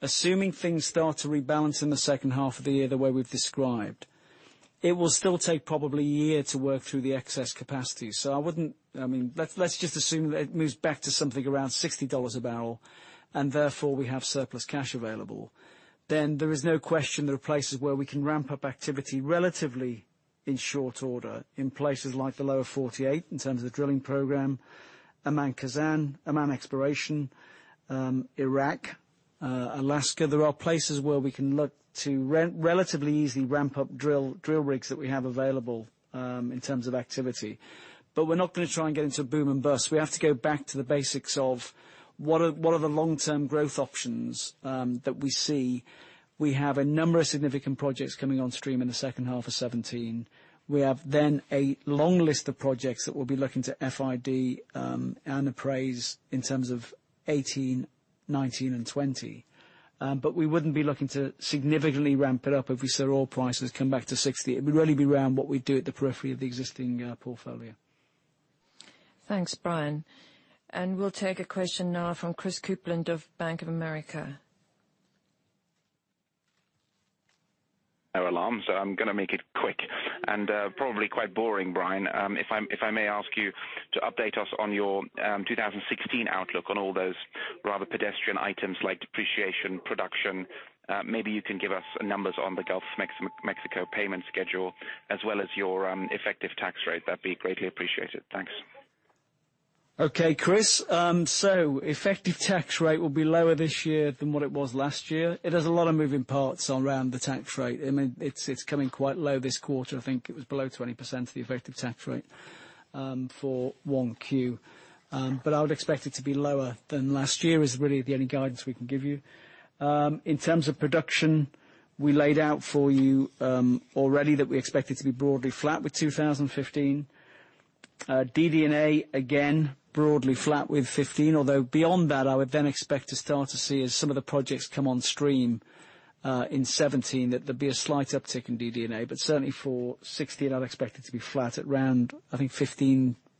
assuming things start to rebalance in the second half of the year, the way we've described, it will still take probably a year to work through the excess capacity. Let's just assume that it moves back to something around $60 a barrel and therefore we have surplus cash available. There is no question there are places where we can ramp up activity relatively in short order in places like the Lower Forty-Eight in terms of the drilling program, Oman exploration, Iraq, Alaska. There are places where we can look to relatively easily ramp up drill rigs that we have available in terms of activity. We're not going to try and get into a boom and bust. We have to go back to the basics of what are the long-term growth options that we see. We have a number of significant projects coming on stream in the second half of 2017. We have a long list of projects that we'll be looking to FID and appraise in terms of 2018, 2019, and 2020. We wouldn't be looking to significantly ramp it up if we saw oil prices come back to $60. It would only be around what we do at the periphery of the existing portfolio. Thanks, Brian. We'll take a question now from Christopher Kuplent of Bank of America. No alarms, I'm going to make it quick and probably quite boring, Brian. If I may ask you to update us on your 2016 outlook on all those rather pedestrian items like depreciation, production. Maybe you can give us numbers on the Gulf of Mexico payment schedule as well as your effective tax rate. That'd be greatly appreciated. Thanks. Okay, Chris. Effective tax rate will be lower this year than what it was last year. It has a lot of moving parts around the tax rate. It's coming quite low this quarter. I think it was below 20%, the effective tax rate for 1Q. I would expect it to be lower than last year is really the only guidance we can give you. In terms of production, we laid out for you already that we expect it to be broadly flat with 2015. DD&A, again, broadly flat with 2015. Although beyond that, I would expect to start to see as some of the projects come on stream in 2017, that there'd be a slight uptick in DD&A. Certainly for 2016, I'd expect it to be flat at around, I think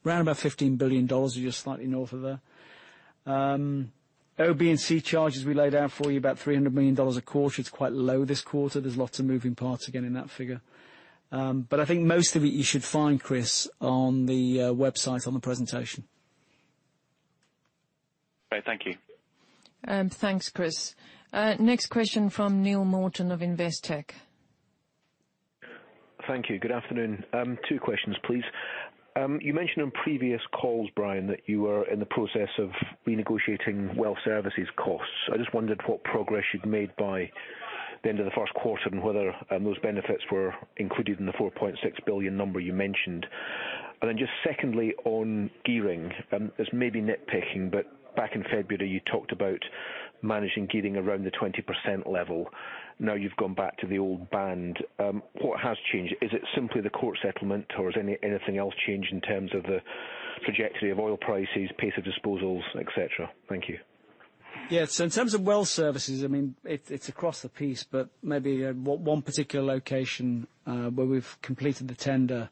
around about $15 billion, or just slightly north of there. OB&C charges we laid out for you, about $300 million a quarter. It's quite low this quarter. There's lots of moving parts again in that figure. I think most of it you should find, Chris, on the website on the presentation. Great. Thank you. Thanks, Chris. Next question from Neil Morton of Investec. Thank you. Good afternoon. Two questions, please. You mentioned on previous calls, Brian, that you were in the process of renegotiating well services costs. I just wondered what progress you'd made by the end of the first quarter, and whether those benefits were included in the $4.6 billion number you mentioned. Just secondly, on gearing. This may be nitpicking, but back in February you talked about managing gearing around the 20% level. Now you've gone back to the old band. What has changed? Is it simply the court settlement, or has anything else changed in terms of the trajectory of oil prices, pace of disposals, et cetera? Thank you. Yeah. In terms of well services, it's across the piece, but maybe one particular location where we've completed the tender,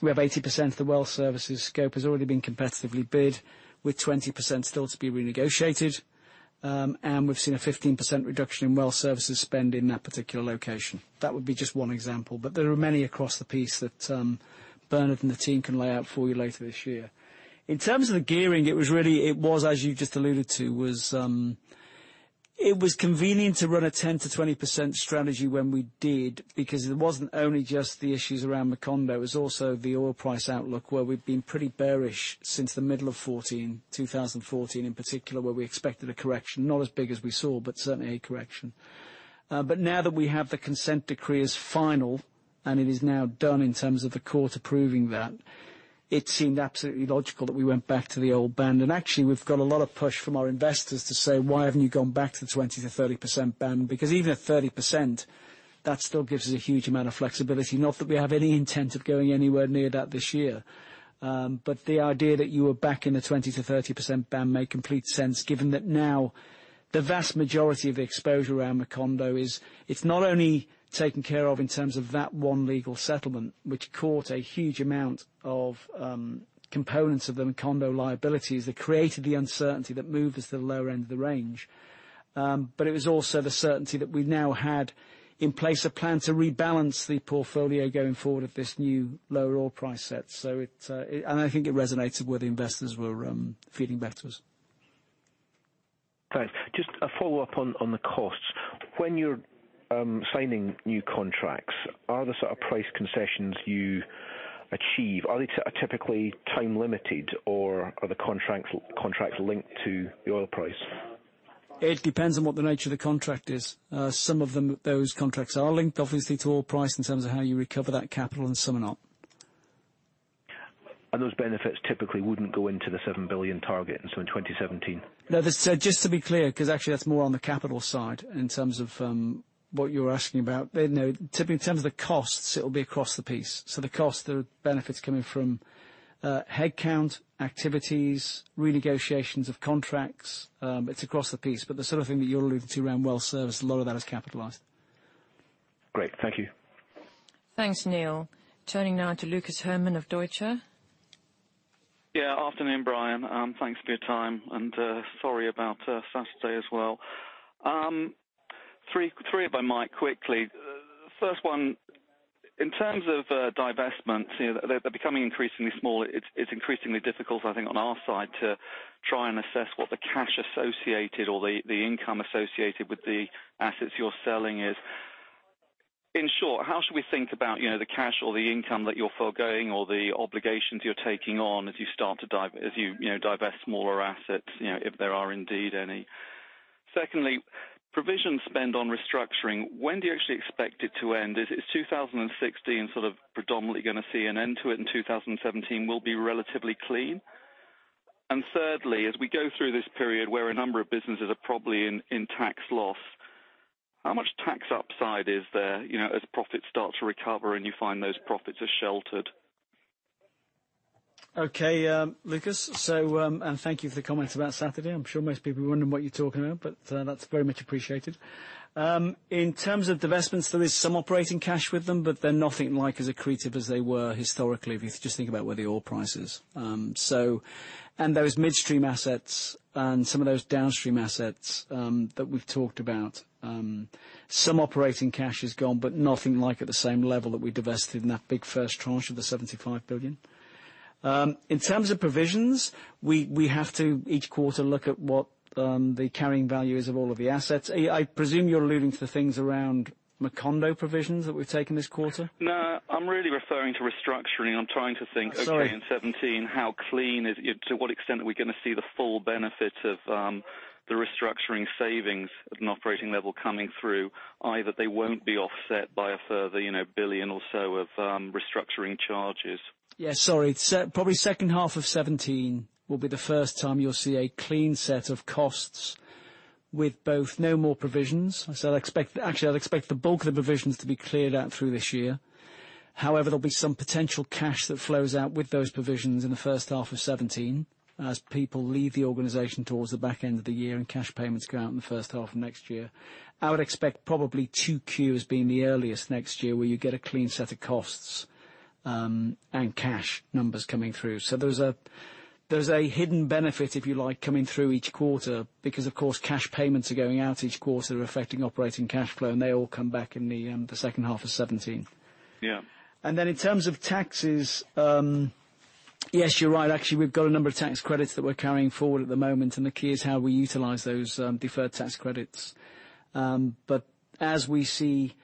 we have 80% of the well services scope has already been competitively bid, with 20% still to be renegotiated. We've seen a 15% reduction in well services spend in that particular location. That would be just one example. There are many across the piece that Bernard and the team can lay out for you later this year. In terms of the gearing, it was as you just alluded to, it was convenient to run a 10%-20% strategy when we did, because it wasn't only just the issues around Macondo, it was also the oil price outlook, where we've been pretty bearish since the middle of 2014 in particular, where we expected a correction, not as big as we saw, but certainly a correction. Now that we have the consent decree as final, it is now done in terms of the court approving that, it seemed absolutely logical that we went back to the old band. Actually, we've got a lot of push from our investors to say, "Why haven't you gone back to the 20%-30% band?" Because even at 30%, that still gives us a huge amount of flexibility. Not that we have any intent of going anywhere near that this year. The idea that you are back in the 20%-30% band made complete sense given that now the vast majority of the exposure around Macondo is, it's not only taken care of in terms of that one legal settlement, which caught a huge amount of components of the Macondo liabilities that created the uncertainty that moved us to the lower end of the range. It was also the certainty that we now had in place a plan to rebalance the portfolio going forward at this new lower oil price set. I think it resonated where the investors were feeling better. Thanks. Just a follow-up on the costs. When you're signing new contracts, are the sort of price concessions you achieve, are they typically time limited, or are the contracts linked to the oil price? It depends on what the nature of the contract is. Some of those contracts are linked, obviously, to oil price in terms of how you recover that capital, and some are not. Those benefits typically wouldn't go into the $7 billion target, and so in 2017? No, just to be clear, because actually that's more on the capital side in terms of what you were asking about. Typically, in terms of the costs, it'll be across the piece. The cost, the benefits coming from headcount, activities, renegotiations of contracts, it's across the piece. The sort of thing that you're alluding to around well service, a lot of that is capitalized. Great. Thank you. Thanks, Neil. Turning now to Lucas Herrmann of Deutsche. Yeah. Afternoon, Brian. Thanks for your time, and sorry about Saturday as well. Three if I might, quickly. First one, in terms of divestments, they're becoming increasingly small. It's increasingly difficult, I think, on our side to try and assess what the cash associated or the income associated with the assets you're selling is. In short, how should we think about the cash or the income that you're forgoing or the obligations you're taking on as you divest smaller assets, if there are indeed any? Secondly, provision spend on restructuring. When do you actually expect it to end? Is 2016 sort of predominantly going to see an end to it, and 2017 will be relatively clean? Thirdly, as we go through this period where a number of businesses are probably in tax loss, how much tax upside is there as profits start to recover and you find those profits are sheltered? Okay, Lucas. Thank you for the comment about Saturday. I'm sure most people are wondering what you're talking about, but that's very much appreciated. In terms of divestments, there is some operating cash with them, but they're nothing like as accretive as they were historically, if you just think about where the oil price is. Those midstream assets and some of those downstream assets that we've talked about, some operating cash is gone, but nothing like at the same level that we divested in that big first tranche of the $75 billion. In terms of provisions, we have to each quarter look at what the carrying value is of all of the assets. I presume you're alluding to the things around Macondo provisions that we've taken this quarter? No. I'm really referring to restructuring. Sorry In 2017, to what extent are we going to see the full benefit of the restructuring savings at an operating level coming through, i.e., that they won't be offset by a further 1 billion or so of restructuring charges? Yeah, sorry. Probably second half of 2017 will be the first time you'll see a clean set of costs With both no more provisions. Actually, I'd expect the bulk of the provisions to be cleared out through this year. There'll be some potential cash that flows out with those provisions in the first half of 2017 as people leave the organization towards the back end of the year and cash payments go out in the first half of next year. I would expect probably 2Q as being the earliest next year where you get a clean set of costs and cash numbers coming through. There's a hidden benefit, if you like, coming through each quarter because of course cash payments are going out each quarter affecting operating cash flow and they all come back in the second half of 2017. Yeah. In terms of taxes, yes, you're right. Actually, we've got a number of tax credits that we're carrying forward at the moment, and the key is how we utilize those deferred tax credits. As we see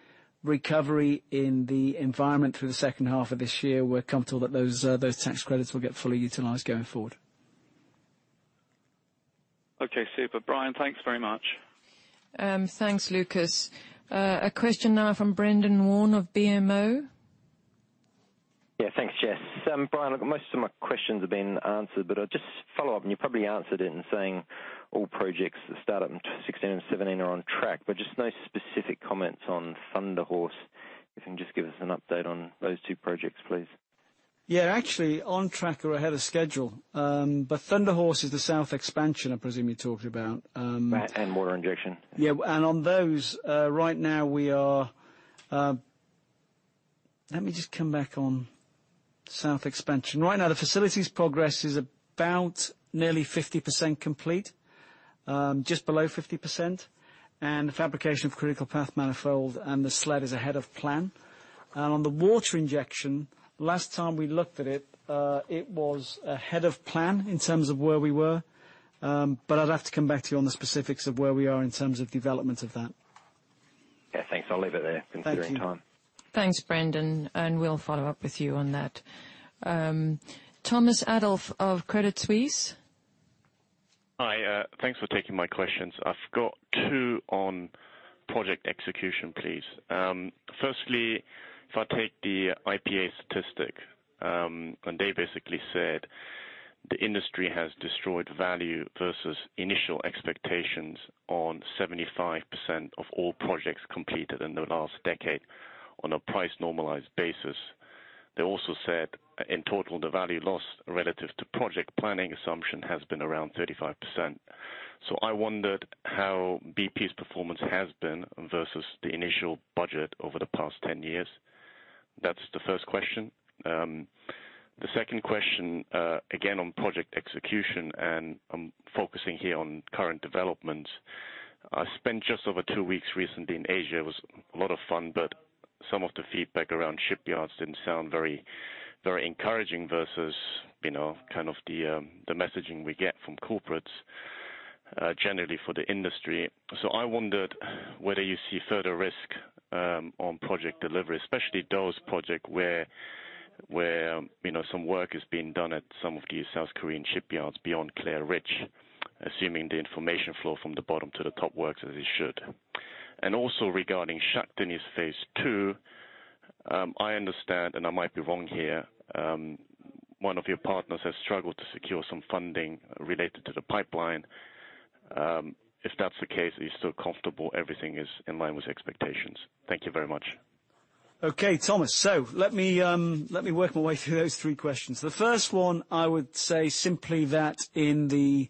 recovery in the environment through the second half of this year, we're comfortable that those tax credits will get fully utilized going forward. Okay, super. Brian, thanks very much. Thanks, Lucas. A question now from Brendan Warn of BMO. Yeah, thanks, Jess. Brian, most of my questions have been answered. I'll just follow up. You probably answered it in saying all projects that start up in 2016 and 2017 are on track. Just no specific comments on Thunder Horse. If you can just give us an update on those two projects, please. Yeah, actually on track or ahead of schedule. Thunder Horse is the South expansion, I presume you're talking about. That and water injection. Yeah. On those, let me just come back on South expansion. Right now the facilities progress is about nearly 50% complete, just below 50%. The fabrication of critical path manifold and the sled is ahead of plan. On the water injection, last time we looked at it was ahead of plan in terms of where we were, but I'd have to come back to you on the specifics of where we are in terms of development of that. Yeah, thanks. I'll leave it there. Thank you considering time. Thanks, Brendan. We'll follow up with you on that. Thomas Adolff of Credit Suisse. Hi. Thanks for taking my questions. I've got two on project execution please. Firstly, if I take the IPA statistic, they basically said, "The industry has destroyed value versus initial expectations on 75% of all projects completed in the last decade on a price normalized basis." They also said, "In total, the value lost relative to project planning assumption has been around 35%." I wondered how BP's performance has been versus the initial budget over the past 10 years. That's the first question. The second question, again on project execution. I'm focusing here on current developments. I spent just over two weeks recently in Asia. It was a lot of fun, some of the feedback around shipyards didn't sound very encouraging versus the messaging we get from corporates, generally for the industry. I wondered whether you see further risk on project delivery, especially those project where some work is being done at some of the South Korean shipyards beyond Clair Ridge, assuming the information flow from the bottom to the top works as it should. Also regarding Shah Deniz Stage 2, I understand. I might be wrong here, one of your partners has struggled to secure some funding related to the pipeline. If that's the case, are you still comfortable everything is in line with expectations? Thank you very much. Okay, Thomas. Let me work my way through those three questions. The first one, I would say simply that in the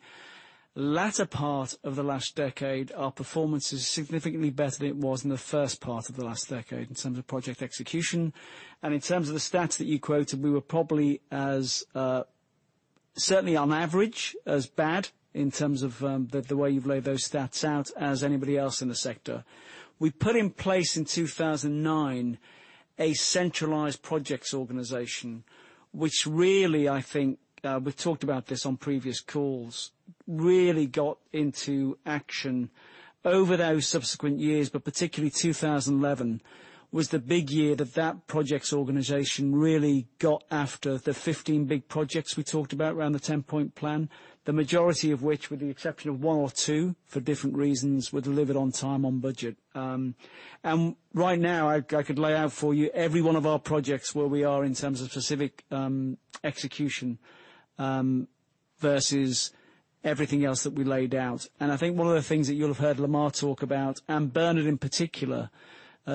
latter part of the last decade, our performance is significantly better than it was in the first part of the last decade in terms of project execution. In terms of the stats that you quoted, we were probably as, certainly on average, as bad in terms of the way you've laid those stats out as anybody else in the sector. We put in place in 2009 a centralized projects organization, which really, I think, we've talked about this on previous calls, really got into action over those subsequent years, particularly 2011 was the big year that that project's organization really got after the 15 big projects we talked about around the 10-point plan. The majority of which, with the exception of one or two for different reasons, were delivered on time, on budget. Right now, I could lay out for you every one of our projects where we are in terms of specific execution versus everything else that we laid out. I think one of the things that you'll have heard Lamar talk about, and Bernard in particular,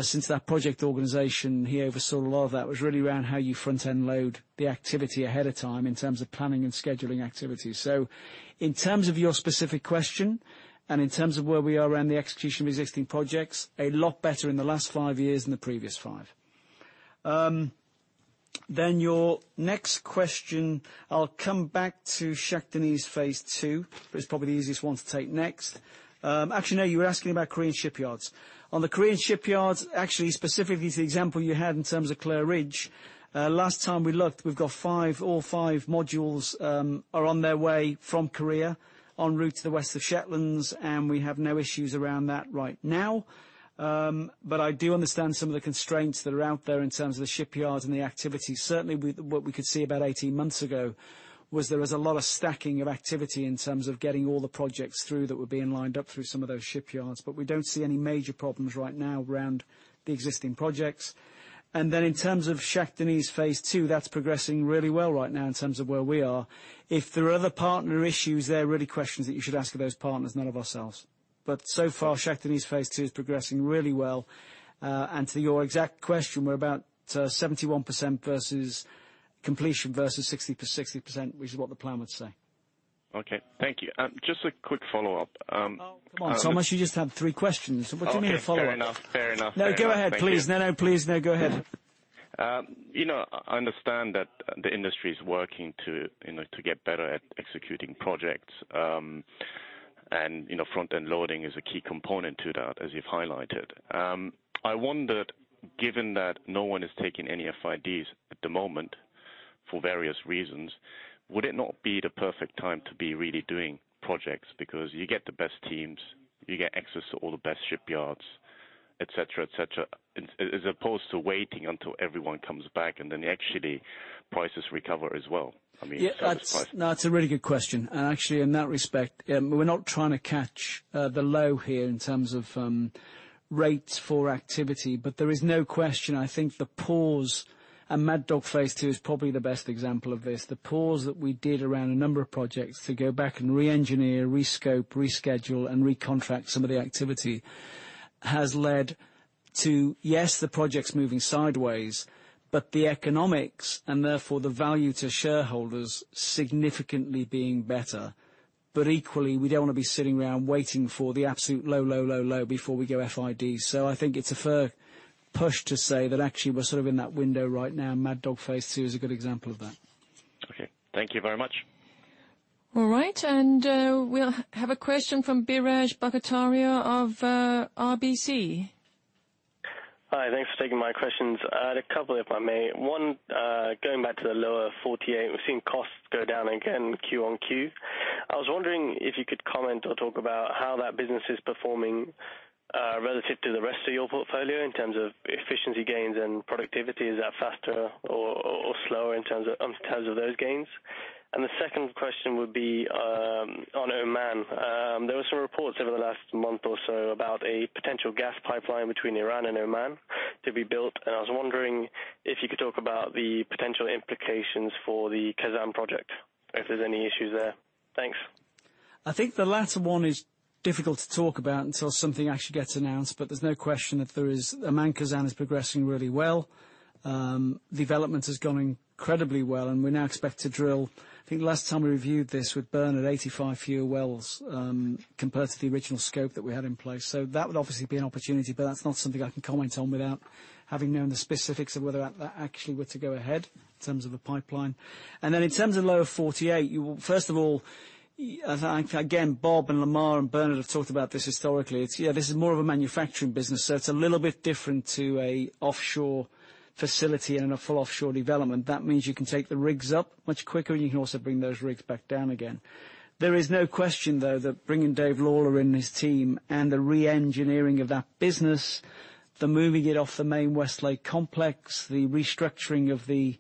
since that project organization, he oversaw a lot of that, was really around how you front-end load the activity ahead of time in terms of planning and scheduling activities. In terms of your specific question and in terms of where we are around the execution of existing projects, a lot better in the last five years than the previous five. Your next question, I'll come back to Shah Deniz Stage 2. It's probably the easiest one to take next. Actually, no, you were asking about Korean shipyards. On the Korean shipyards, actually, specifically to the example you had in terms of Clair Ridge, last time we looked, we've got five, all five modules are on their way from Korea en route to the West of Shetland, and we have no issues around that right now. I do understand some of the constraints that are out there in terms of the shipyards and the activity. Certainly, what we could see about 18 months ago was there was a lot of stacking of activity in terms of getting all the projects through that were being lined up through some of those shipyards. We don't see any major problems right now around the existing projects. In terms of Shah Deniz Stage 2, that's progressing really well right now in terms of where we are. If there are other partner issues there, really questions that you should ask of those partners, none of ourselves. So far, Shah Deniz Stage 2 is progressing really well. To your exact question, we're about 71% completion versus 60%, which is what the plan would say. Okay, thank you. Just a quick follow-up- Oh, come on, Thomas, you just had three questions. What do you need a follow-up for? Okay, fair enough. No, go ahead, please. No, go ahead. I understand that the industry is working to get better at executing projects. Front-end loading is a key component to that, as you've highlighted. I wondered, given that no one is taking any FIDs at the moment, for various reasons, would it not be the perfect time to be really doing projects? Because you get the best teams, you get access to all the best shipyards, et cetera. As opposed to waiting until everyone comes back, and then actually prices recover as well. Yeah. That's a really good question. Actually, in that respect, we're not trying to catch the low here in terms of rates for activity. There is no question, I think the pause at Mad Dog Phase 2 is probably the best example of this. The pause that we did around a number of projects to go back and re-engineer, re-scope, reschedule, and recontract some of the activity has led to, yes, the projects moving sideways, but the economics, and therefore the value to shareholders, significantly being better. Equally, we don't want to be sitting around waiting for the absolute low before we go FID. I think it's a fair push to say that actually we're sort of in that window right now. Mad Dog Phase 2 is a good example of that. Okay. Thank you very much. All right. We'll have a question from Biraj Borkhataria of RBC. Hi. Thanks for taking my questions. I had a couple, if I may. One, going back to the Lower 48, we're seeing costs go down again Q on Q. I was wondering if you could comment or talk about how that business is performing, relative to the rest of your portfolio, in terms of efficiency gains and productivity. Is that faster or slower in terms of those gains? The second question would be on Oman. There were some reports over the last month or so about a potential gas pipeline between Iran and Oman to be built. I was wondering if you could talk about the potential implications for the Khazzan project, if there's any issues there. Thanks. I think the latter one is difficult to talk about until something actually gets announced. There's no question that Oman Khazzan is progressing really well. Development is going incredibly well, and we now expect to drill, I think last time we reviewed this with Bernard, 85 fewer wells, compared to the original scope that we had in place. That would obviously be an opportunity, but that's not something I can comment on without having known the specifics of whether that actually were to go ahead in terms of the pipeline. In terms of Lower 48, first of all, again, Bob and Lamar and Bernard have talked about this historically. This is more of a manufacturing business. It's a little bit different to an offshore facility and a full offshore development. That means you can take the rigs up much quicker, and you can also bring those rigs back down again. There is no question, though, that bringing Dave Lawler in his team and the re-engineering of that business, the moving it off the main Westlake Complex, the restructuring of the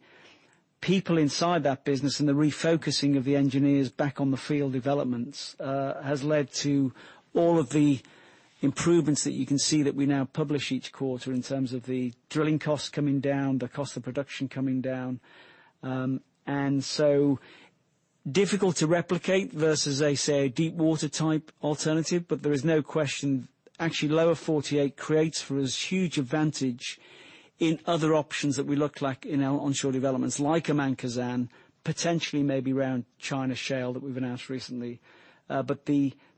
people inside that business, and the refocusing of the engineers back on the field developments, has led to all of the improvements that you can see that we now publish each quarter in terms of the drilling costs coming down, the cost of production coming down. Difficult to replicate versus, say, a deepwater type alternative. There is no question, actually, Lower 48 creates for us huge advantage in other options that we look like in our onshore developments like Oman Khazzan, potentially maybe around China Shale that we've announced recently.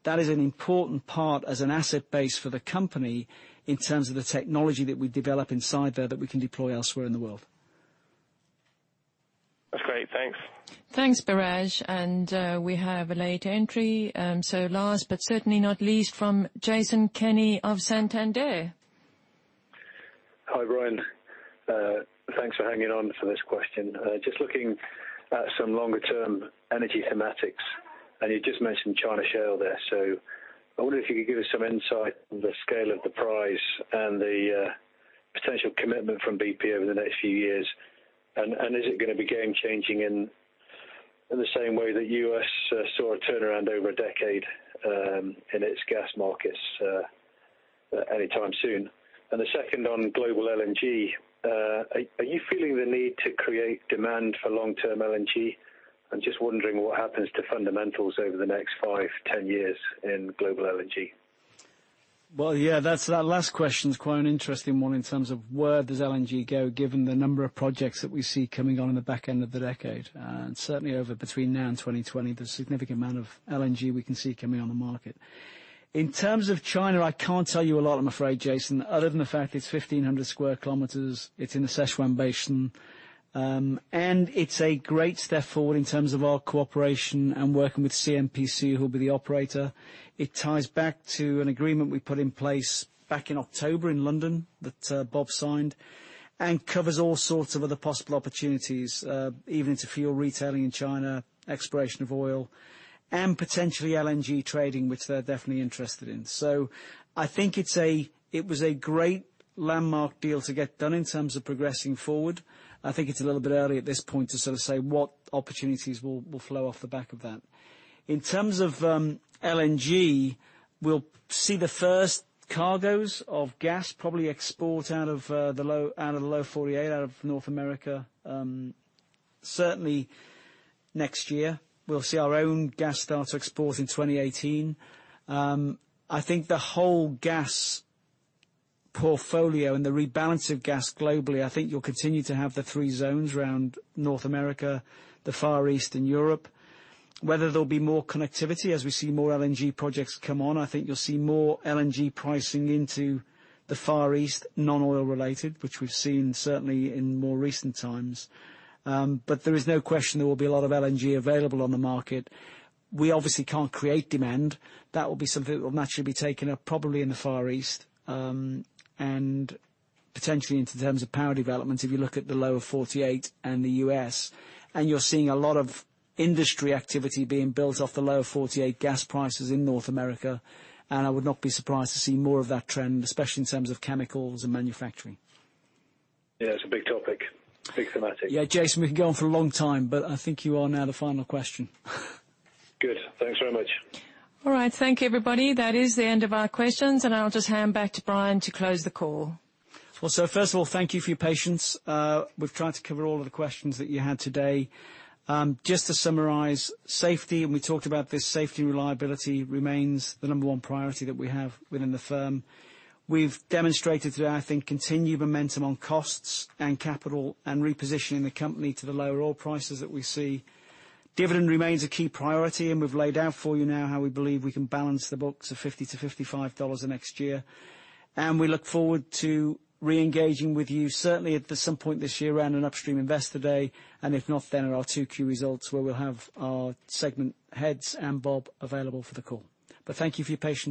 That is an important part as an asset base for the company in terms of the technology that we develop inside there that we can deploy elsewhere in the world. That's great. Thanks. Thanks, Biraj. We have a late entry. Last, but certainly not least, from Jason Kenney of Santander. Hi, Brian. Thanks for hanging on for this question. Just looking at some longer term energy thematics, you just mentioned China Shale there. I wonder if you could give us some insight on the scale of the prize and the potential commitment from BP over the next few years. Is it going to be game changing in the same way that U.S. saw a turnaround over a decade, in its gas markets, anytime soon? The second on global LNG. Are you feeling the need to create demand for long-term LNG? I'm just wondering what happens to fundamentals over the next 5, 10 years in global LNG. That last question is quite an interesting one in terms of where does LNG go, given the number of projects that we see coming on in the back end of the decade. Certainly over between now and 2020, there's a significant amount of LNG we can see coming on the market. In terms of China, I can't tell you a lot, I'm afraid, Jason, other than the fact it's 1,500 square kilometers. It's in the Sichuan Basin. It's a great step forward in terms of our cooperation and working with CNPC, who'll be the operator. It ties back to an agreement we put in place back in October in London that Bob signed and covers all sorts of other possible opportunities, even into fuel retailing in China, exploration of oil, and potentially LNG trading, which they're definitely interested in. I think it was a great landmark deal to get done in terms of progressing forward. I think it's a little bit early at this point to sort of say what opportunities will flow off the back of that. In terms of LNG, we'll see the first cargoes of gas probably export out of the Lower 48 out of North America certainly next year. We'll see our own gas start to export in 2018. I think the whole gas portfolio and the rebalance of gas globally, I think you'll continue to have the three zones around North America, the Far East, and Europe. Whether there'll be more connectivity as we see more LNG projects come on, I think you'll see more LNG pricing into the Far East, non-oil related, which we've seen certainly in more recent times. There is no question there will be a lot of LNG available on the market. We obviously can't create demand. That will be something that will naturally be taken up probably in the Far East, and potentially in terms of power development, if you look at the Lower 48 and the U.S. You're seeing a lot of industry activity being built off the Lower 48 gas prices in North America. I would not be surprised to see more of that trend, especially in terms of chemicals and manufacturing. Yeah, it's a big topic. Big thematic. Yeah, Jason, we can go on for a long time, I think you are now the final question. Good. Thanks very much. All right. Thank you, everybody. That is the end of our questions, I'll just hand back to Brian to close the call. First of all, thank you for your patience. We've tried to cover all of the questions that you had today. Just to summarize safety, and we talked about this, safety and reliability remains the number one priority that we have within the firm. We've demonstrated today, I think, continued momentum on costs and capital and repositioning the company to the lower oil prices that we see. Dividend remains a key priority, We've laid out for you now how we believe we can balance the books of $50-$55 next year. We look forward to reengaging with you certainly at some point this year around an upstream investor day. If not, then at our 2Q results where we'll have our segment heads and Bob available for the call. Thank you for your patience